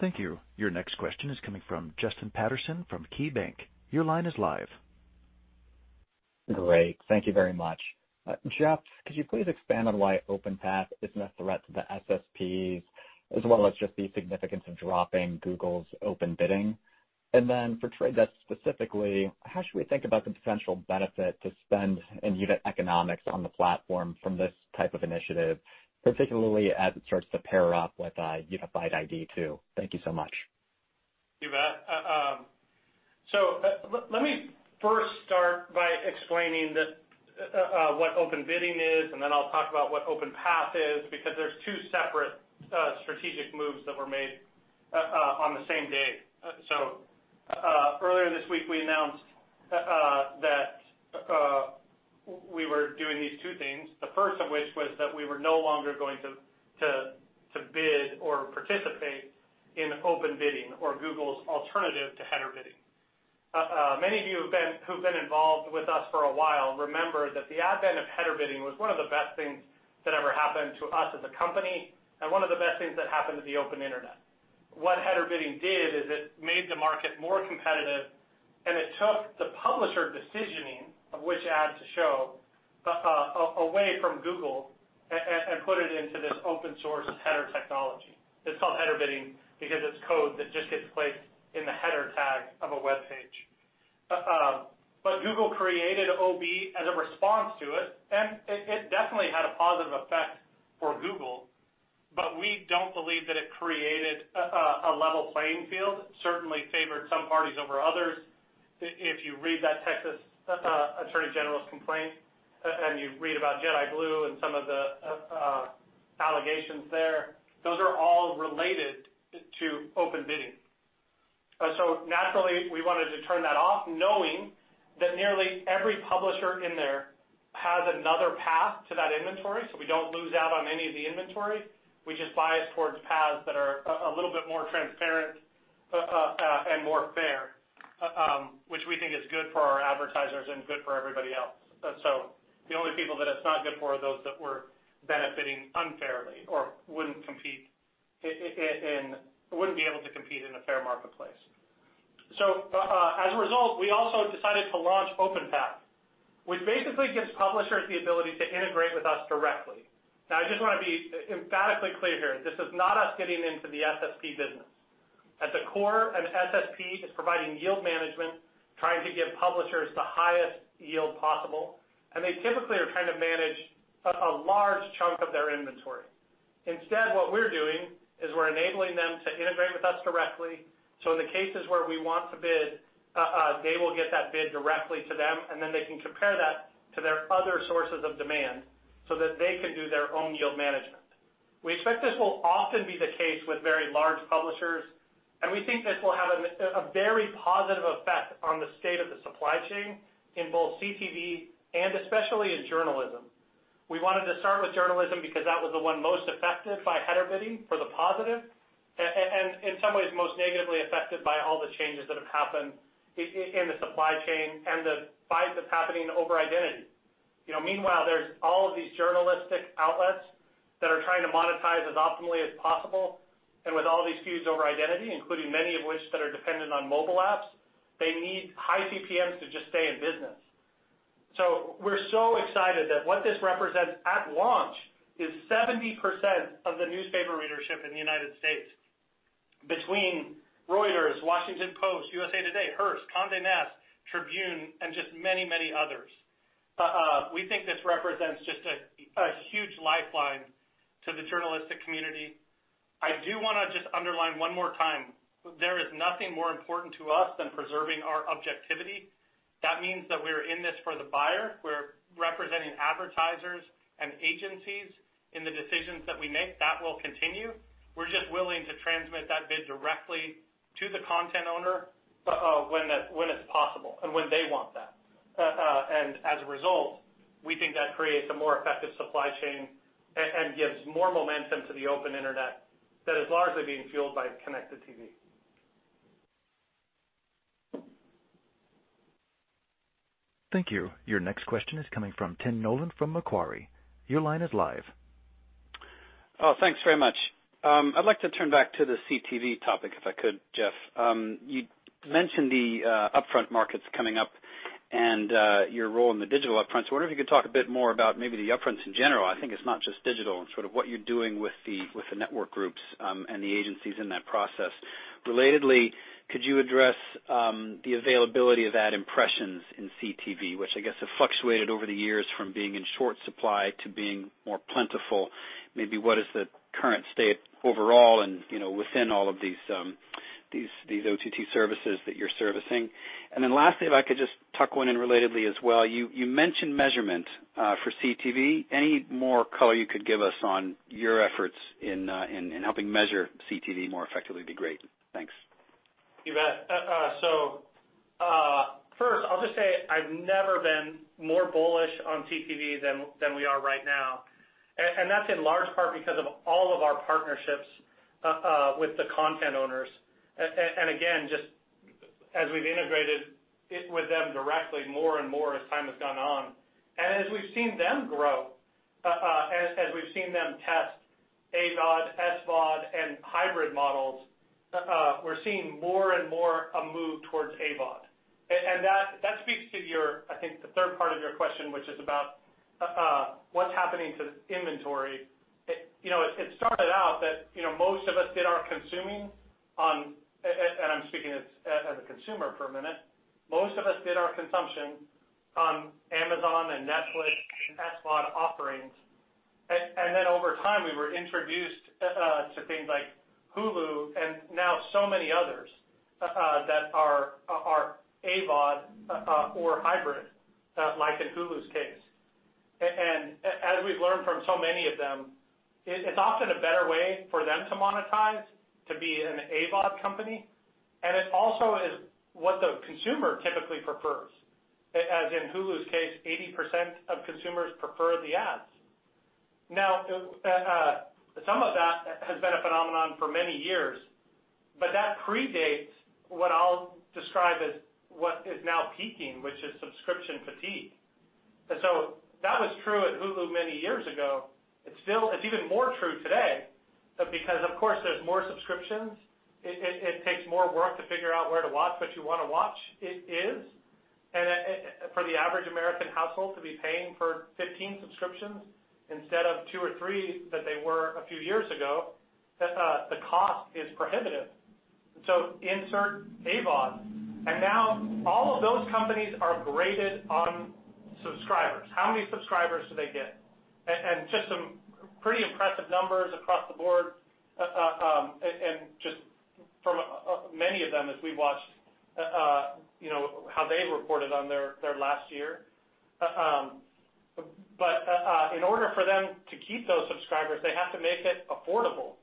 Thank you. Your next question is coming from Justin Patterson from KeyBanc. Your line is live. Great. Thank you very much. Jeff, could you please expand on why OpenPath isn't a threat to the SSPs as well as just the significance of dropping Google's Open Bidding? For Trade Desk specifically, how should we think about the potential benefit to spend in unit economics on the platform from this type of initiative, particularly as it starts to pair up with Unified ID 2.0? Thank you so much. You bet. Let me first start by explaining what Open Bidding is, and then I'll talk about what OpenPath is because there's two separate strategic moves that were made on the same day. Earlier this week, we announced that we were no longer going to bid or participate in Open Bidding or Google's alternative to Header Bidding. Many of you who've been involved with us for a while remember that the advent of Header Bidding was one of the best things that ever happened to us as a company and one of the best things that happened to the open internet. What Header Bidding did is it made the market more competitive, and it took the publisher decisioning of which ad to show, away from Google and put it into this open source header technology. It's called Header Bidding because it's code that just gets placed in the header tag of a webpage. Google created OB as a response to it, and it definitely had a positive effect for Google. We don't believe that it created a level playing field. Certainly favored some parties over others. If you read that Texas Attorney General's complaint, and you read about Jedi Blue and some of the allegations there, those are all related to Open Bidding. Naturally, we wanted to turn that off knowing that nearly every publisher in there has another path to that inventory, so we don't lose out on any of the inventory. We just bias towards paths that are a little bit more transparent and more fair, which we think is good for our advertisers and good for everybody else. The only people that it's not good for are those that were benefiting unfairly or wouldn't be able to compete in a fair marketplace. As a result, we also decided to launch OpenPath, which basically gives publishers the ability to integrate with us directly. Now, I just wanna be emphatically clear here, this is not us getting into the SSP business. At the core, an SSP is providing yield management, trying to give publishers the highest yield possible, and they typically are trying to manage a large chunk of their inventory. Instead, what we're doing is we're enabling them to integrate with us directly. In the cases where we want to bid, they will get that bid directly to them, and then they can compare that to their other sources of demand so that they can do their own yield management. We expect this will often be the case with very large publishers, and we think this will have a very positive effect on the state of the supply chain in both CTV and especially in journalism. We wanted to start with journalism because that was the one most affected by header bidding for the positive, and in some ways, most negatively affected by all the changes that have happened in the supply chain and the fights that's happening over identity. You know, meanwhile, there's all of these journalistic outlets that are trying to monetize as optimally as possible, and with all these feuds over identity, including many of which that are dependent on mobile apps, they need high CPMs to just stay in business. We're so excited that what this represents at launch is 70% of the newspaper readership in the United States between Reuters, Washington Post, USA Today, Hearst, Condé Nast, Tribune, and just many, many others. We think this represents just a huge lifeline to the journalistic community. I do wanna just underline one more time, there is nothing more important to us than preserving our objectivity. That means that we are in this for the buyer. We're representing advertisers and agencies in the decisions that we make. That will continue. We're just willing to transmit that bid directly to the content owner, when it's possible and when they want that. As a result, we think that creates a more effective supply chain and gives more momentum to the open internet that is largely being fueled by connected TV. Thank you. Your next question is coming from Tim Nollen from Macquarie. Your line is live. Oh, thanks very much. I'd like to turn back to the CTV topic, if I could, Jeff. You mentioned the upfront markets coming up and your role in the digital upfronts. I wonder if you could talk a bit more about maybe the upfronts in general. I think it's not just digital and sort of what you're doing with the network groups and the agencies in that process. Relatedly, could you address the availability of ad impressions in CTV, which I guess have fluctuated over the years from being in short supply to being more plentiful? Maybe what is the current state overall and, you know, within all of these OTT services that you're servicing? And then lastly, if I could just tuck one in relatedly as well, you mentioned measurement for CTV. Any more color you could give us on your efforts in helping measure CTV more effectively would be great. Thanks. You bet. First, I'll just say I've never been more bullish on CTV than we are right now. That's in large part because of all of our partnerships with the content owners. Again, just as we've integrated it with them directly more and more as time has gone on, and as we've seen them grow, as we've seen them test AVOD, SVOD, and hybrid models, we're seeing more and more a move toward AVOD. That speaks to your, I think, the third part of your question, which is about what's happening to inventory. You know, it started out that, you know, most of us did our consuming on, I'm speaking as a consumer for a minute, most of us did our consumption on Amazon and Netflix and SVOD offerings. Then over time, we were introduced to things like Hulu and now so many others that are AVOD or hybrid like in Hulu's case. As we've learned from so many of them, it's often a better way for them to monetize to be an AVOD company, and it also is what the consumer typically prefers. As in Hulu's case, 80% of consumers prefer the ads. Now some of that has been a phenomenon for many years, but that predates what I'll describe as what is now peaking, which is subscription fatigue. That was true at Hulu many years ago. It's still even more true today because, of course, there's more subscriptions. It takes more work to figure out where to watch what you wanna watch. It is. For the average American household to be paying for 15 subscriptions instead of 2 or 3 that they were a few years ago, the cost is prohibitive. Insert AVOD, and now all of those companies are graded on subscribers. How many subscribers do they get? Just some pretty impressive numbers across the board, and just from many of them as we watched, you know, how they reported on their last year. In order for them to keep those subscribers, they have to make it affordable.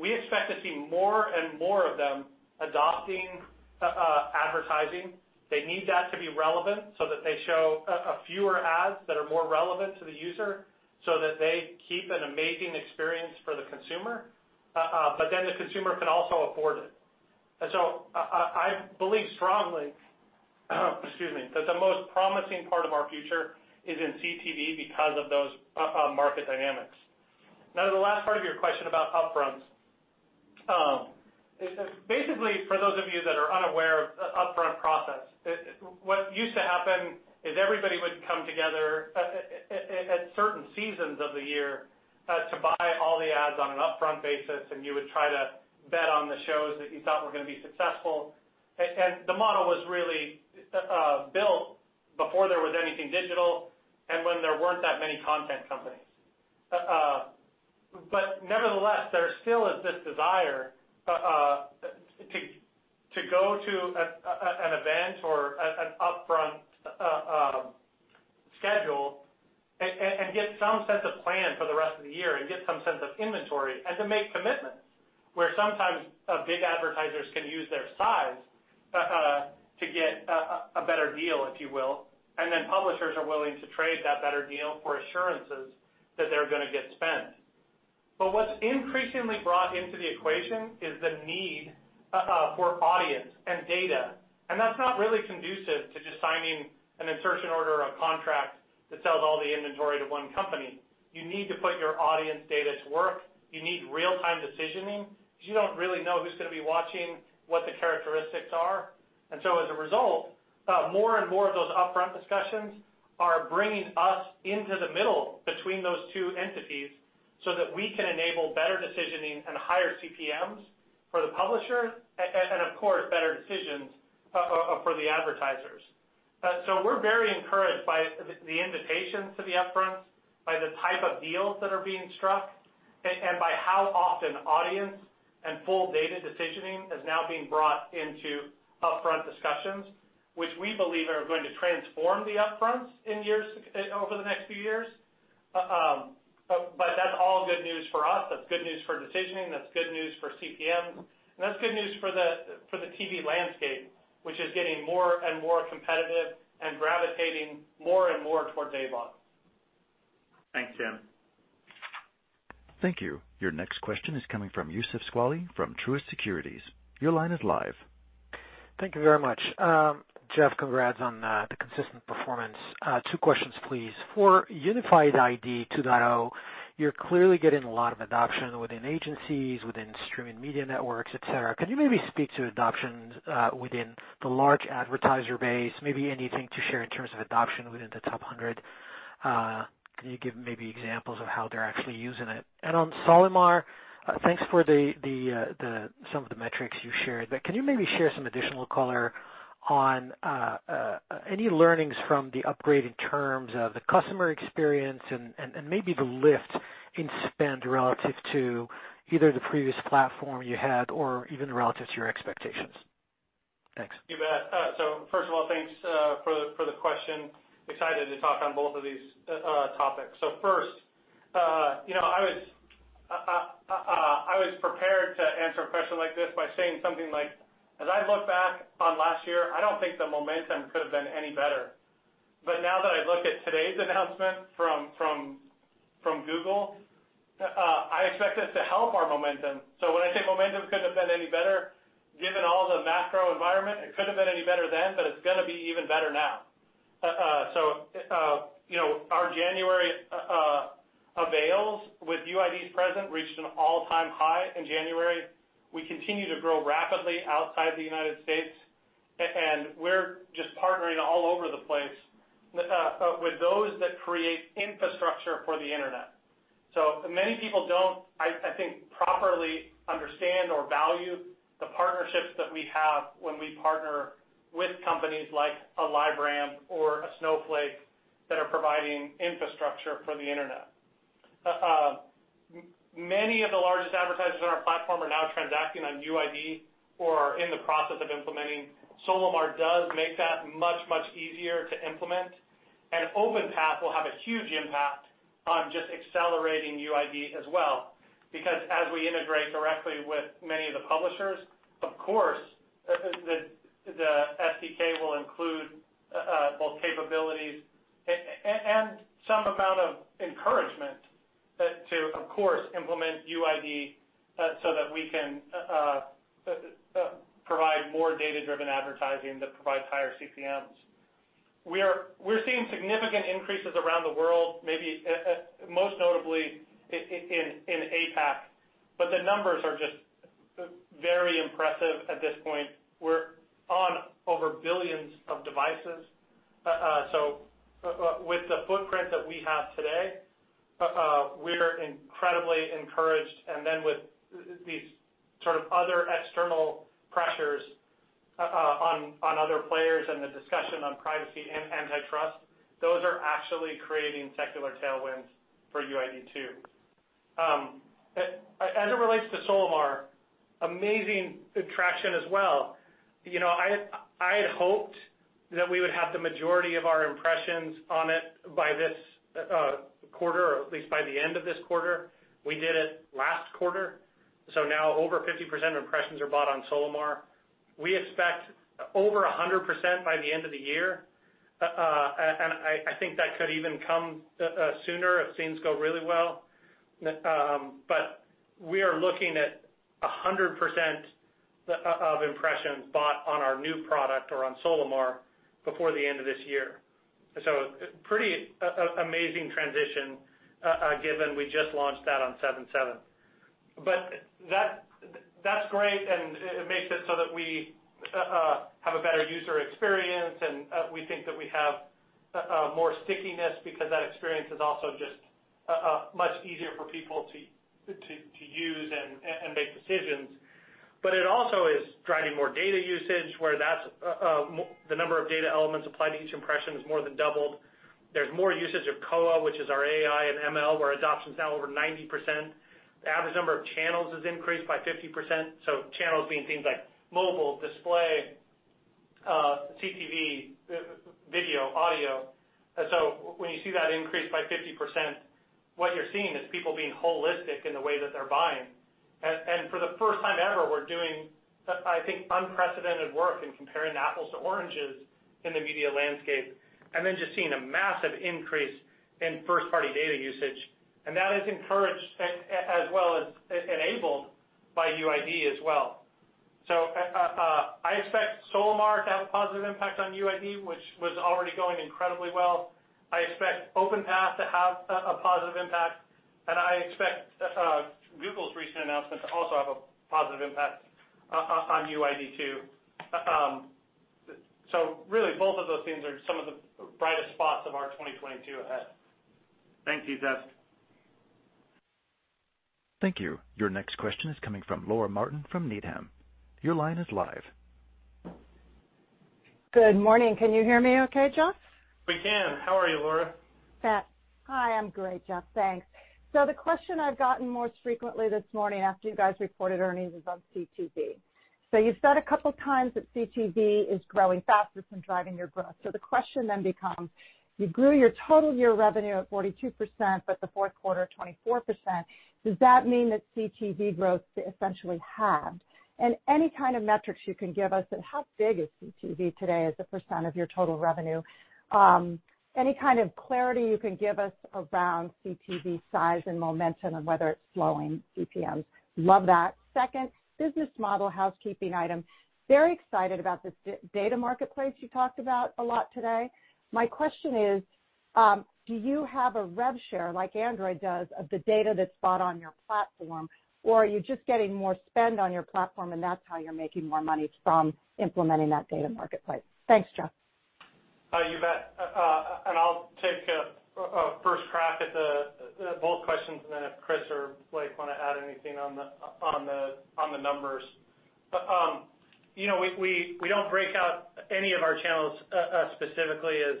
We expect to see more and more of them adopting advertising. They need that to be relevant so that they show a fewer ads that are more relevant to the user so that they keep an amazing experience for the consumer, but then the consumer can also afford it. I believe strongly, excuse me, that the most promising part of our future is in CTV because of those market dynamics. Now, to the last part of your question about upfronts. Basically, for those of you that are unaware of the upfront process, what used to happen is everybody would come together at certain seasons of the year to buy all the ads on an upfront basis, and you would try to bet on the shows that you thought were gonna be successful. The model was really built before there was anything digital and when there weren't that many content companies. Nevertheless, there still is this desire to go to an event or an upfront schedule and get some sense of plan for the rest of the year and get some sense of inventory and to make commitments where sometimes big advertisers can use their size to get a better deal, if you will. Then publishers are willing to trade that better deal for assurances that they're gonna get spent. What's increasingly brought into the equation is the need for audience and data. That's not really conducive to just signing an insertion order or a contract that sells all the inventory to one company. You need to put your audience data to work. You need real-time decisioning because you don't really know who's gonna be watching, what the characteristics are. More and more of those upfront discussions are bringing us into the middle between those two entities so that we can enable better decisioning and higher CPMs for the publisher and of course, better decisions for the advertisers. We're very encouraged by the invitations to the upfronts, by the type of deals that are being struck, and by how often audience and full data decisioning is now being brought into upfront discussions, which we believe are going to transform the upfronts over the next few years. That's all good news for us. That's good news for decisioning. That's good news for CPM. That's good news for the TV landscape, which is getting more and more competitive and gravitating more and more towards AVOD. Thanks, Tim. Thank you. Your next question is coming from Youssef Squali from Truist Securities. Your line is live. Thank you very much. Jeff, congrats on the consistent performance. 2 questions, please. For Unified ID 2.0, you're clearly getting a lot of adoption within agencies, within streaming media networks, et cetera. Can you maybe speak to adoptions within the large advertiser base? Maybe anything to share in terms of adoption within the top 100? Can you give maybe examples of how they're actually using it? On Solimar, thanks for some of the metrics you shared. Can you maybe share some additional color on any learnings from the upgrade in terms of the customer experience and maybe the lift in spend relative to either the previous platform you had or even relative to your expectations? Thanks. You bet. So first of all, thanks for the question. Excited to talk on both of these topics. First, you know, I was prepared to answer a question like this by saying something like, "As I look back on last year, I don't think the momentum could have been any better." Now that I look at today's announcement from Google, I expect this to help our momentum. When I say momentum couldn't have been any better, given all the macro environment, it couldn't have been any better then, but it's gonna be even better now. You know, our January avails with UID2 present reached an all-time high in January. We continue to grow rapidly outside the United States, and we're just partnering all over the place with those that create infrastructure for the internet. Many people don't, I think, properly understand or value the partnerships that we have when we partner with companies like LiveRamp or Snowflake that are providing infrastructure for the Internet. Many of the largest advertisers on our platform are now transacting on UID or are in the process of implementing. Solimar does make that much, much easier to implement. OpenPath will have a huge impact on just accelerating UID as well because as we integrate directly with many of the publishers, of course, the SDK will include both capabilities and some amount of encouragement to, of course, implement UID so that we can provide more data-driven advertising that provides higher CPMs. We're seeing significant increases around the world, maybe most notably in APAC, but the numbers are just very impressive at this point. We're over billions of devices. With the footprint that we have today, we're incredibly encouraged. With these sort of other external pressures on other players and the discussion on privacy and antitrust, those are actually creating secular tailwinds for UID too. As it relates to Solimar, amazing traction as well. I had hoped that we would have the majority of our impressions on it by this quarter or at least by the end of this quarter. We did it last quarter. Now over 50% of impressions are bought on Solimar. We expect over 100% by the end of the year. I think that could even come sooner if things go really well. We are looking at 100% of impressions bought on our new product or on Solimar before the end of this year. Pretty amazing transition, given we just launched that on 7/7. That, that's great, and it makes it so that we have a better user experience, and we think that we have more stickiness because that experience is also just much easier for people to use and make decisions. It also is driving more data usage, where that's the number of data elements applied to each impression has more than doubled. There's more usage of Koa, which is our AI and ML, where adoption's now over 90%. The average number of channels has increased by 50%, so channels being things like mobile, display, CTV, video, audio. When you see that increase by 50%, what you're seeing is people being holistic in the way that they're buying. For the first time ever, we're doing I think unprecedented work in comparing apples to oranges in the media landscape and then just seeing a massive increase in first-party data usage. That is encouraged as well as enabled by UID as well. I expect Solimar to have a positive impact on UID, which was already going incredibly well. I expect OpenPath to have a positive impact, and I expect Google's recent announcement to also have a positive impact on UID too. Really both of those things are some of the brightest spots of our 2022 ahead. Thank you, Jeff. Thank you. Your next question is coming from Laura Martin from Needham. Your line is live. Good morning. Can you hear me okay, Jeff? We can. How are you, Laura? Hi. I'm great, Jeff. Thanks. The question I've gotten most frequently this morning after you guys reported earnings is on CTV. You've said a couple times that CTV is growing faster than driving your growth. The question then becomes, you grew your total year revenue at 42%, but the fourth quarter, 24%. Does that mean that CTV growth essentially halved? Any kind of metrics you can give us on how big is CTV today as a % of your total revenue? Any kind of clarity you can give us around CTV size and momentum and whether it's slowing CPMs. Love that. Second, business model housekeeping item. Very excited about this data marketplace you talked about a lot today. My question is, do you have a rev share like Android does of the data that's bought on your platform, or are you just getting more spend on your platform and that's how you're making more money from implementing that data marketplace? Thanks, Jeff. You bet. I'll take a first crack at both questions, and then if Chris or Blake wanna add anything on the numbers. You know, we don't break out any of our channels specifically as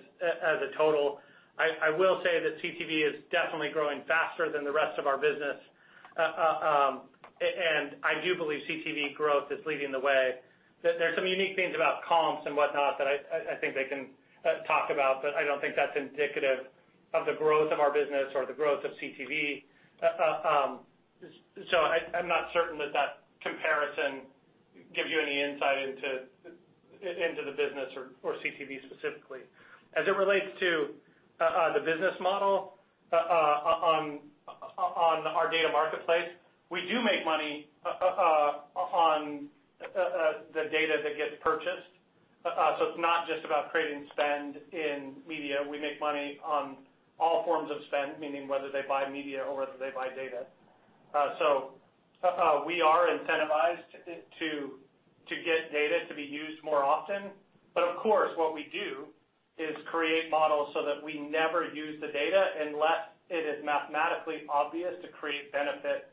a total. I will say that CTV is definitely growing faster than the rest of our business. I do believe CTV growth is leading the way. There are some unique things about comps and whatnot that I think they can talk about, but I don't think that's indicative of the growth of our business or the growth of CTV. I'm not certain that that comparison gives you any insight into the business or CTV specifically. As it relates to the business model on our data marketplace, we do make money on the data that gets purchased. It's not just about creating spend in media. We make money on all forms of spend, meaning whether they buy media or whether they buy data. We are incentivized to get data to be used more often. But of course, what we do is create models so that we never use the data unless it is mathematically obvious to create benefit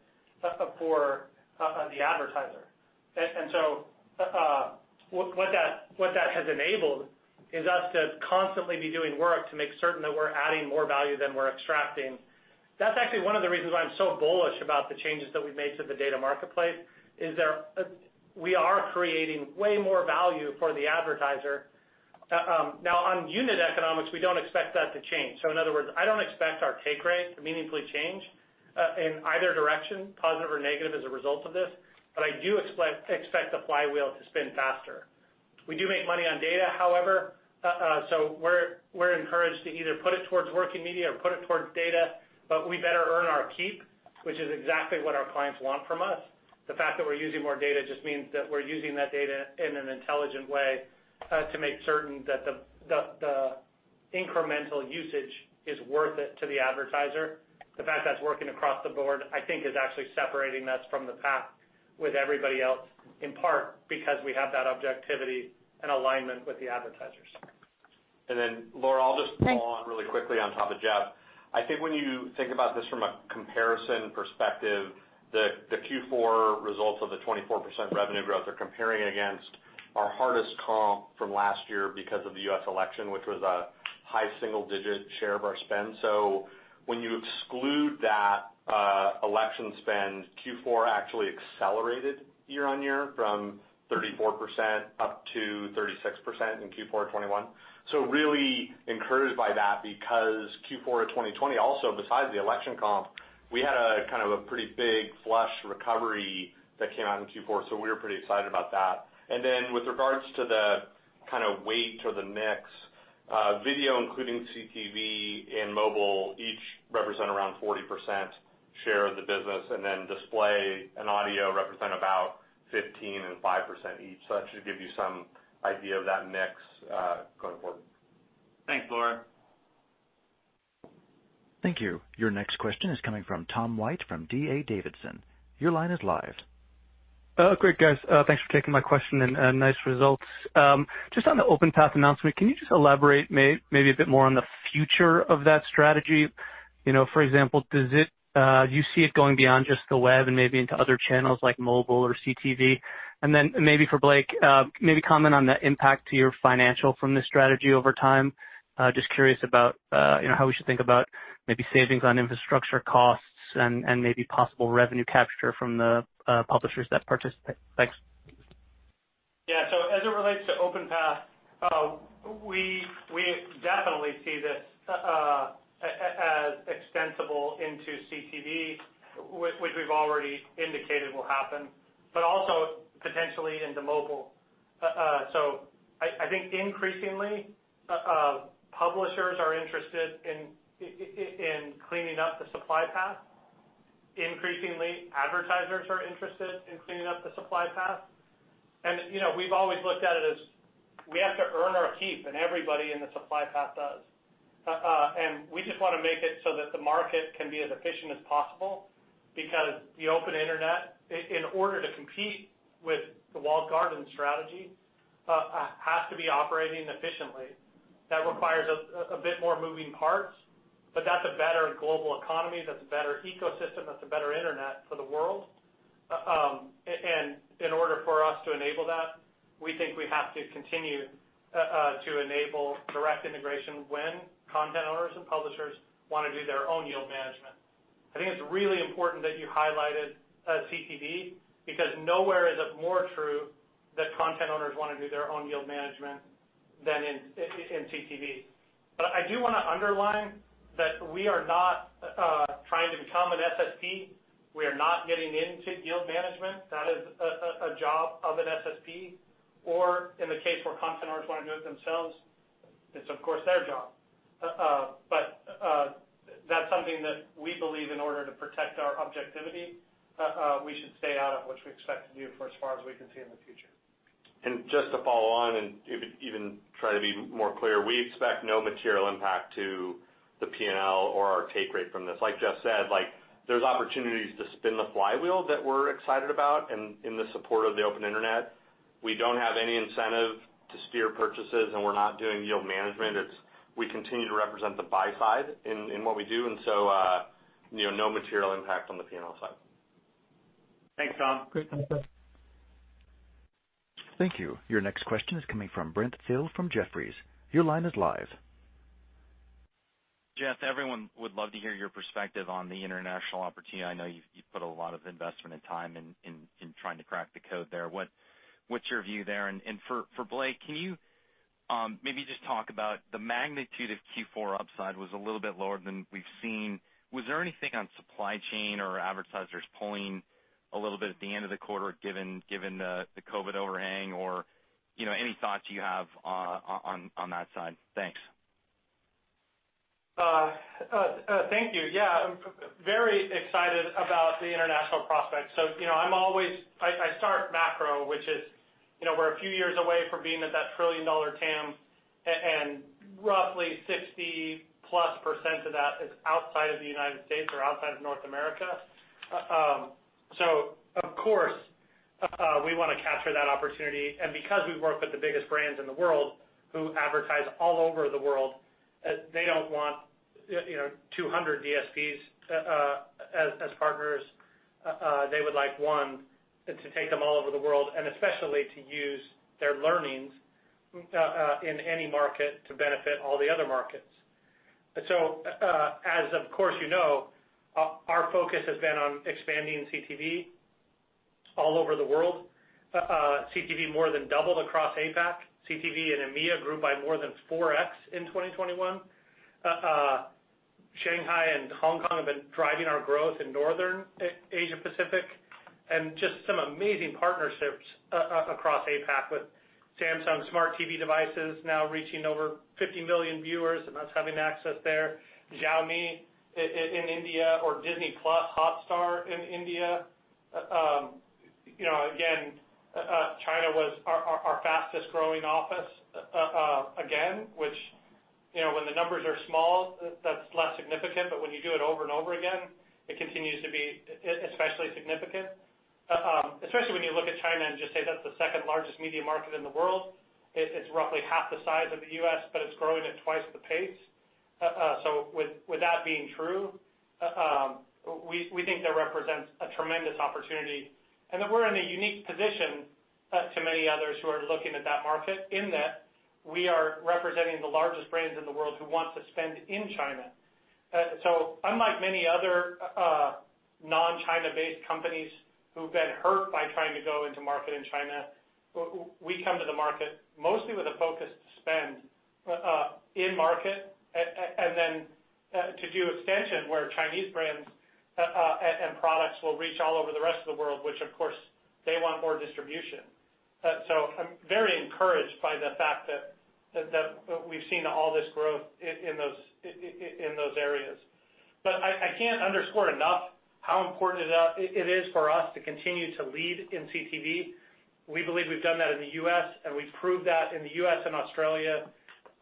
for the advertiser. What that has enabled is us to constantly be doing work to make certain that we're adding more value than we're extracting. That's actually one of the reasons why I'm so bullish about the changes that we've made to the data marketplace, is we are creating way more value for the advertiser. Now on unit economics, we don't expect that to change. In other words, I don't expect our take rate to meaningfully change in either direction, positive or negative, as a result of this. I do expect the flywheel to spin faster. We do make money on data, however, so we're encouraged to either put it towards working media or put it towards data, but we better earn our keep, which is exactly what our clients want from us. The fact that we're using more data just means that we're using that data in an intelligent way to make certain that the incremental usage is worth it to the advertiser. The fact that it's working across the board, I think, is actually separating us from the pack with everybody else, in part because we have that objectivity and alignment with the advertisers. Then, Laura, I'll just follow on really quickly on top of Jeff. I think when you think about this from a comparison perspective, the Q4 results of the 24% revenue growth are comparing against our hardest comp from last year because of the U.S. election, which was a high single digit share of our spend. When you exclude that election spend, Q4 actually accelerated year-over-year from 34% up to 36% in Q4 2021. Really encouraged by that because Q4 of 2020 also, besides the election comp, we had a kind of a pretty big flush recovery that came out in Q4, so we were pretty excited about that. With regards to the kind of weight or the mix, video, including CTV and mobile, each represent around 40% share of the business, and then display and audio represent about 15% and 5% each. That should give you some idea of that mix, going forward. Thanks, Laura. Thank you. Your next question is coming from Tom White from D.A. Davidson. Your line is live. Oh, great, guys. Thanks for taking my question and nice results. Just on the OpenPath announcement, can you just elaborate maybe a bit more on the future of that strategy? You know, for example, does it, do you see it going beyond just the web and maybe into other channels like mobile or CTV? Then maybe for Blake, maybe comment on the impact to your financials from this strategy over time. Just curious about, you know, how we should think about maybe savings on infrastructure costs and maybe possible revenue capture from the publishers that participate. Thanks. Yeah. As it relates to OpenPath, we definitely see this as extensible into CTV, which we've already indicated will happen, but also potentially into mobile. I think increasingly, publishers are interested in cleaning up the supply path. Increasingly, advertisers are interested in cleaning up the supply path. You know, we've always looked at it as we have to earn our keep and everybody in the supply path does. We just wanna make it so that the market can be as efficient as possible because the open internet, in order to compete with the walled garden strategy, has to be operating efficiently. That requires a bit more moving parts, but that's a better global economy, that's a better ecosystem, that's a better internet for the world. In order for us to enable that, we think we have to continue to enable direct integration when content owners and publishers wanna do their own yield management. I think it's really important that you highlighted CTV because nowhere is it more true that content owners wanna do their own yield management than in CTV. I do wanna underline that we are not trying to become an SSP. We are not getting into yield management. That is a job of an SSP, or in the case where content owners wanna do it themselves, it's of course their job. That's something that we believe in order to protect our objectivity, we should stay out of, which we expect to do for as far as we can see in the future. Just to follow on and even try to be more clear, we expect no material impact to the P&L or our take rate from this. Like Jeff said, like there's opportunities to spin the flywheel that we're excited about in the support of the open internet. We don't have any incentive to steer purchases, and we're not doing yield management. It's we continue to represent the buy side in what we do, and so you know, no material impact on the P&L side. Thanks, Tom. Great. Thanks, guys. Thank you. Your next question is coming from Brent Thill from Jefferies. Your line is live. Jeff, everyone would love to hear your perspective on the international opportunity. I know you've put a lot of investment and time in trying to crack the code there. What's your view there? For Blake, can you maybe just talk about the magnitude of Q4 upside was a little bit lower than we've seen. Was there anything on supply chain or advertisers pulling a little bit at the end of the quarter given the COVID overhang or, you know, any thoughts you have on that side? Thanks. Thank you. Yeah, very excited about the international prospects. I start macro, which is, you know, we're a few years away from being at that trillion-dollar TAM and roughly 60%+ of that is outside of the United States or outside of North America. Of course, we want to capture that opportunity. Because we work with the biggest brands in the world who advertise all over the world, they don't want, you know, 200 DSPs as partners. They would like one to take them all over the world, and especially to use their learnings in any market to benefit all the other markets. As of course you know, our focus has been on expanding CTV all over the world. CTV more than doubled across APAC. CTV in EMEA grew by more than 4x in 2021. Shanghai and Hong Kong have been driving our growth in North Asia Pacific, and just some amazing partnerships across APAC with Samsung Smart TV devices now reaching over 50 million viewers, and us having access there. Xiaomi in India or Disney+ Hotstar in India, you know, again, China was our fastest-growing office, again, which, you know, when the numbers are small, that's less significant, but when you do it over and over again, it continues to be especially significant, especially when you look at China and just say that's the second-largest media market in the world. It's roughly half the size of the U.S., but it's growing at twice the pace. With that being true, we think that represents a tremendous opportunity and that we're in a unique position to many others who are looking at that market in that we are representing the largest brands in the world who want to spend in China. Unlike many other non-China based companies who've been hurt by trying to go into market in China, we come to the market mostly with a focused spend in market and then to do extension where Chinese brands and products will reach all over the rest of the world, which of course they want more distribution. I'm very encouraged by the fact that we've seen all this growth in those areas. I can't underscore enough how important it is for us to continue to lead in CTV. We believe we've done that in the U.S., and we've proved that in the U.S. and Australia,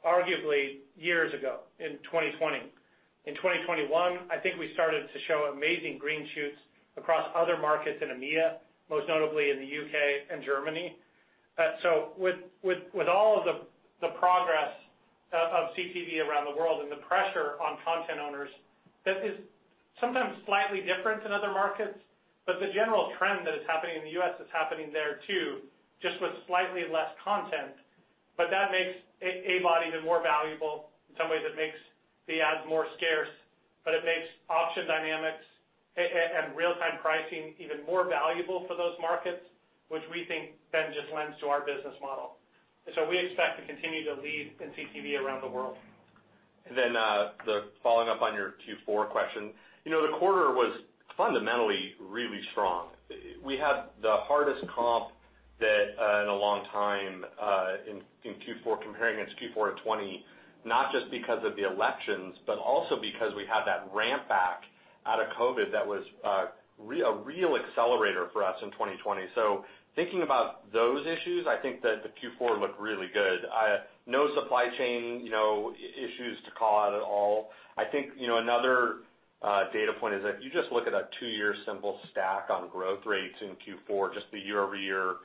arguably years ago in 2020. In 2021, I think we started to show amazing green shoots across other markets in EMEA, most notably in the U.K. and Germany. With all of the progress of CTV around the world and the pressure on content owners, that is sometimes slightly different in other markets. The general trend that is happening in the U.S. is happening there too, just with slightly less content. That makes AVOD even more valuable. In some ways, it makes the ads more scarce, but it makes option dynamics and real-time pricing even more valuable for those markets, which we think then just lends to our business model. We expect to continue to lead in CTV around the world. Following up on your Q4 question. You know, the quarter was fundamentally really strong. We had the hardest comp that in a long time in Q4 comparing against Q4 of 2020, not just because of the elections, but also because we had that ramp back out of COVID that was a real accelerator for us in 2020. Thinking about those issues, I think that the Q4 looked really good. No supply chain issues to call out at all. I think, you know, another data point is that if you just look at a 2-year simple stack on growth rates in Q4, just the year-over-year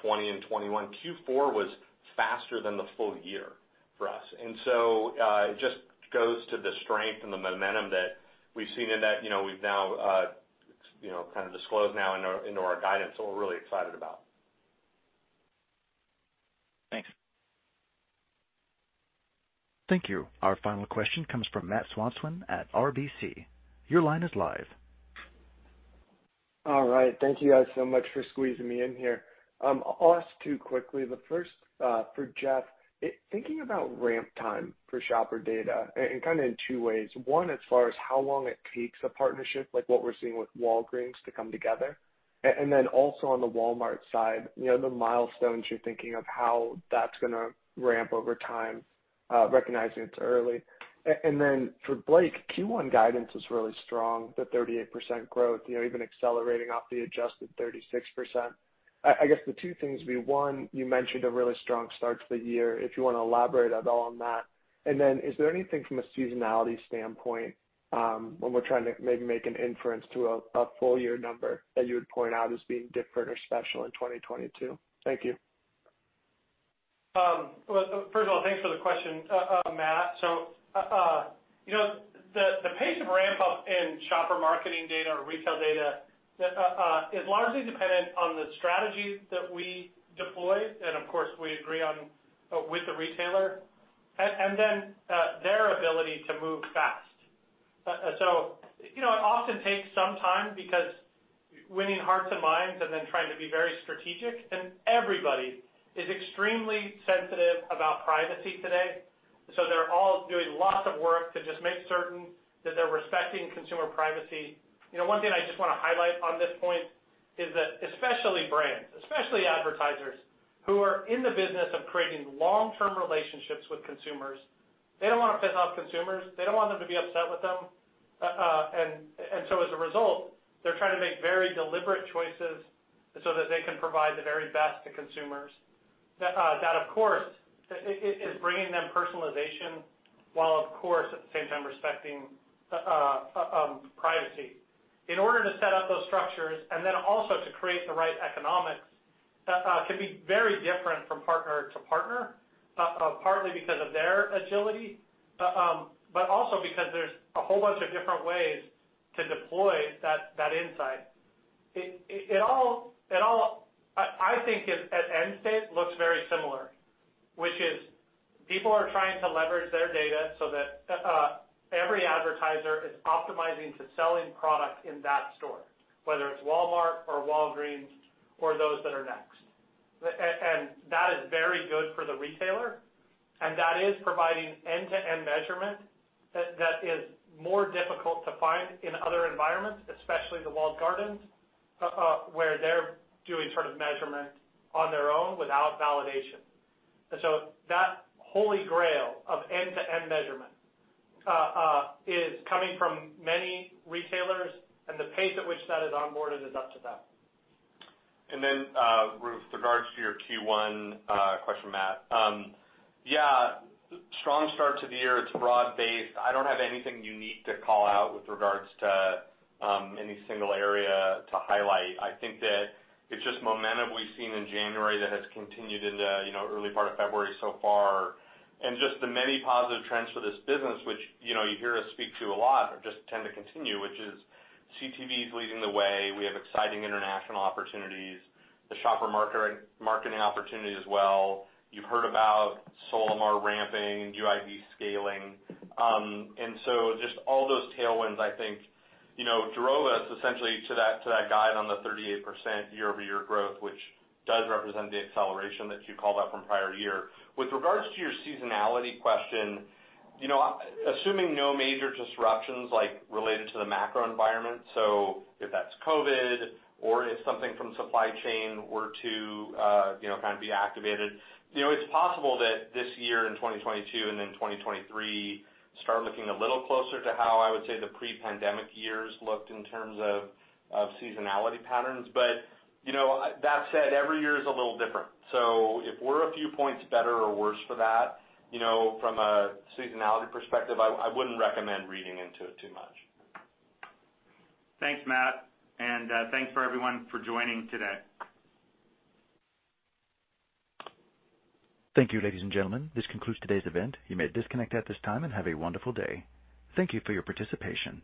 2020 and 2021, Q4 was faster than the full year for us. It just goes to the strength and the momentum that we've seen in that, you know, we've now, you know, kind of disclosed now into our guidance that we're really excited about. Thanks. Thank you. Our final question comes from Matthew Swanson at RBC. Your line is live. All right. Thank you guys so much for squeezing me in here. I'll ask two quickly. The first for Jeff, thinking about ramp time for shopper data in kind of two ways. One, as far as how long it takes a partnership, like what we're seeing with Walgreens to come together, and then also on the Walmart side, you know, the milestones you're thinking of how that's gonna ramp over time, recognizing it's early. For Blake, Q1 guidance is really strong, the 38% growth, you know, even accelerating off the adjusted 36%. I guess the two things would be, one, you mentioned a really strong start to the year, if you wanna elaborate at all on that. Is there anything from a seasonality standpoint, when we're trying to maybe make an inference to a full year number that you would point out as being different or special in 2022? Thank you. Well, first of all, thanks for the question, Matt. You know, the pace of ramp up in shopper marketing data or retail data is largely dependent on the strategies that we deploy, and of course, we agree on with the retailer, and then their ability to move fast. You know, it often takes some time because winning hearts and minds and then trying to be very strategic, and everybody is extremely sensitive about privacy today. They're all doing lots of work to just make certain that they're respecting consumer privacy. You know, one thing I just wanna highlight on this point is that especially brands, especially advertisers who are in the business of creating long-term relationships with consumers, they don't wanna piss off consumers. They don't want them to be upset with them. As a result, they're trying to make very deliberate choices so that they can provide the very best to consumers. That, of course, is bringing them personalization, while of course, at the same time respecting privacy. In order to set up those structures and then also to create the right economics can be very different from partner to partner, partly because of their agility, but also because there's a whole bunch of different ways to deploy that insight. It all, I think at end state looks very similar, which is people are trying to leverage their data so that every advertiser is optimizing to selling product in that store, whether it's Walmart or Walgreens or those that are next. That is very good for the retailer, and that is providing end-to-end measurement that is more difficult to find in other environments, especially the walled gardens, where they're doing sort of measurement on their own without validation. That holy grail of end-to-end measurement is coming from many retailers, and the pace at which that is onboarded is up to them. With regards to your Q1 question, Matt. Yeah, strong start to the year. It's broad-based. I don't have anything unique to call out with regards to any single area to highlight. I think that it's just momentum we've seen in January that has continued into, you know, early part of February so far and just the many positive trends for this business, which, you know, you hear us speak to a lot or just tend to continue, which is CTV is leading the way. We have exciting international opportunities, the shopper marketing opportunity as well. You've heard about Solimar ramping and UID2 scaling. Just all those tailwinds, I think, you know, drove us essentially to that guide on the 38% year-over-year growth, which does represent the acceleration that you called out from prior year. With regards to your seasonality question, you know, assuming no major disruptions like related to the macro environment, so if that's COVID or if something from supply chain were to, you know, kind of be activated, you know, it's possible that this year in 2022 and then 2023 start looking a little closer to how I would say the pre-pandemic years looked in terms of seasonality patterns. But, you know, that said, every year is a little different. So if we're a few points better or worse for that, you know, from a seasonality perspective, I wouldn't recommend reading into it too much. Thanks, Matt, and thanks for everyone for joining today. Thank you, ladies and gentlemen. This concludes today's event. You may disconnect at this time and have a wonderful day. Thank you for your participation.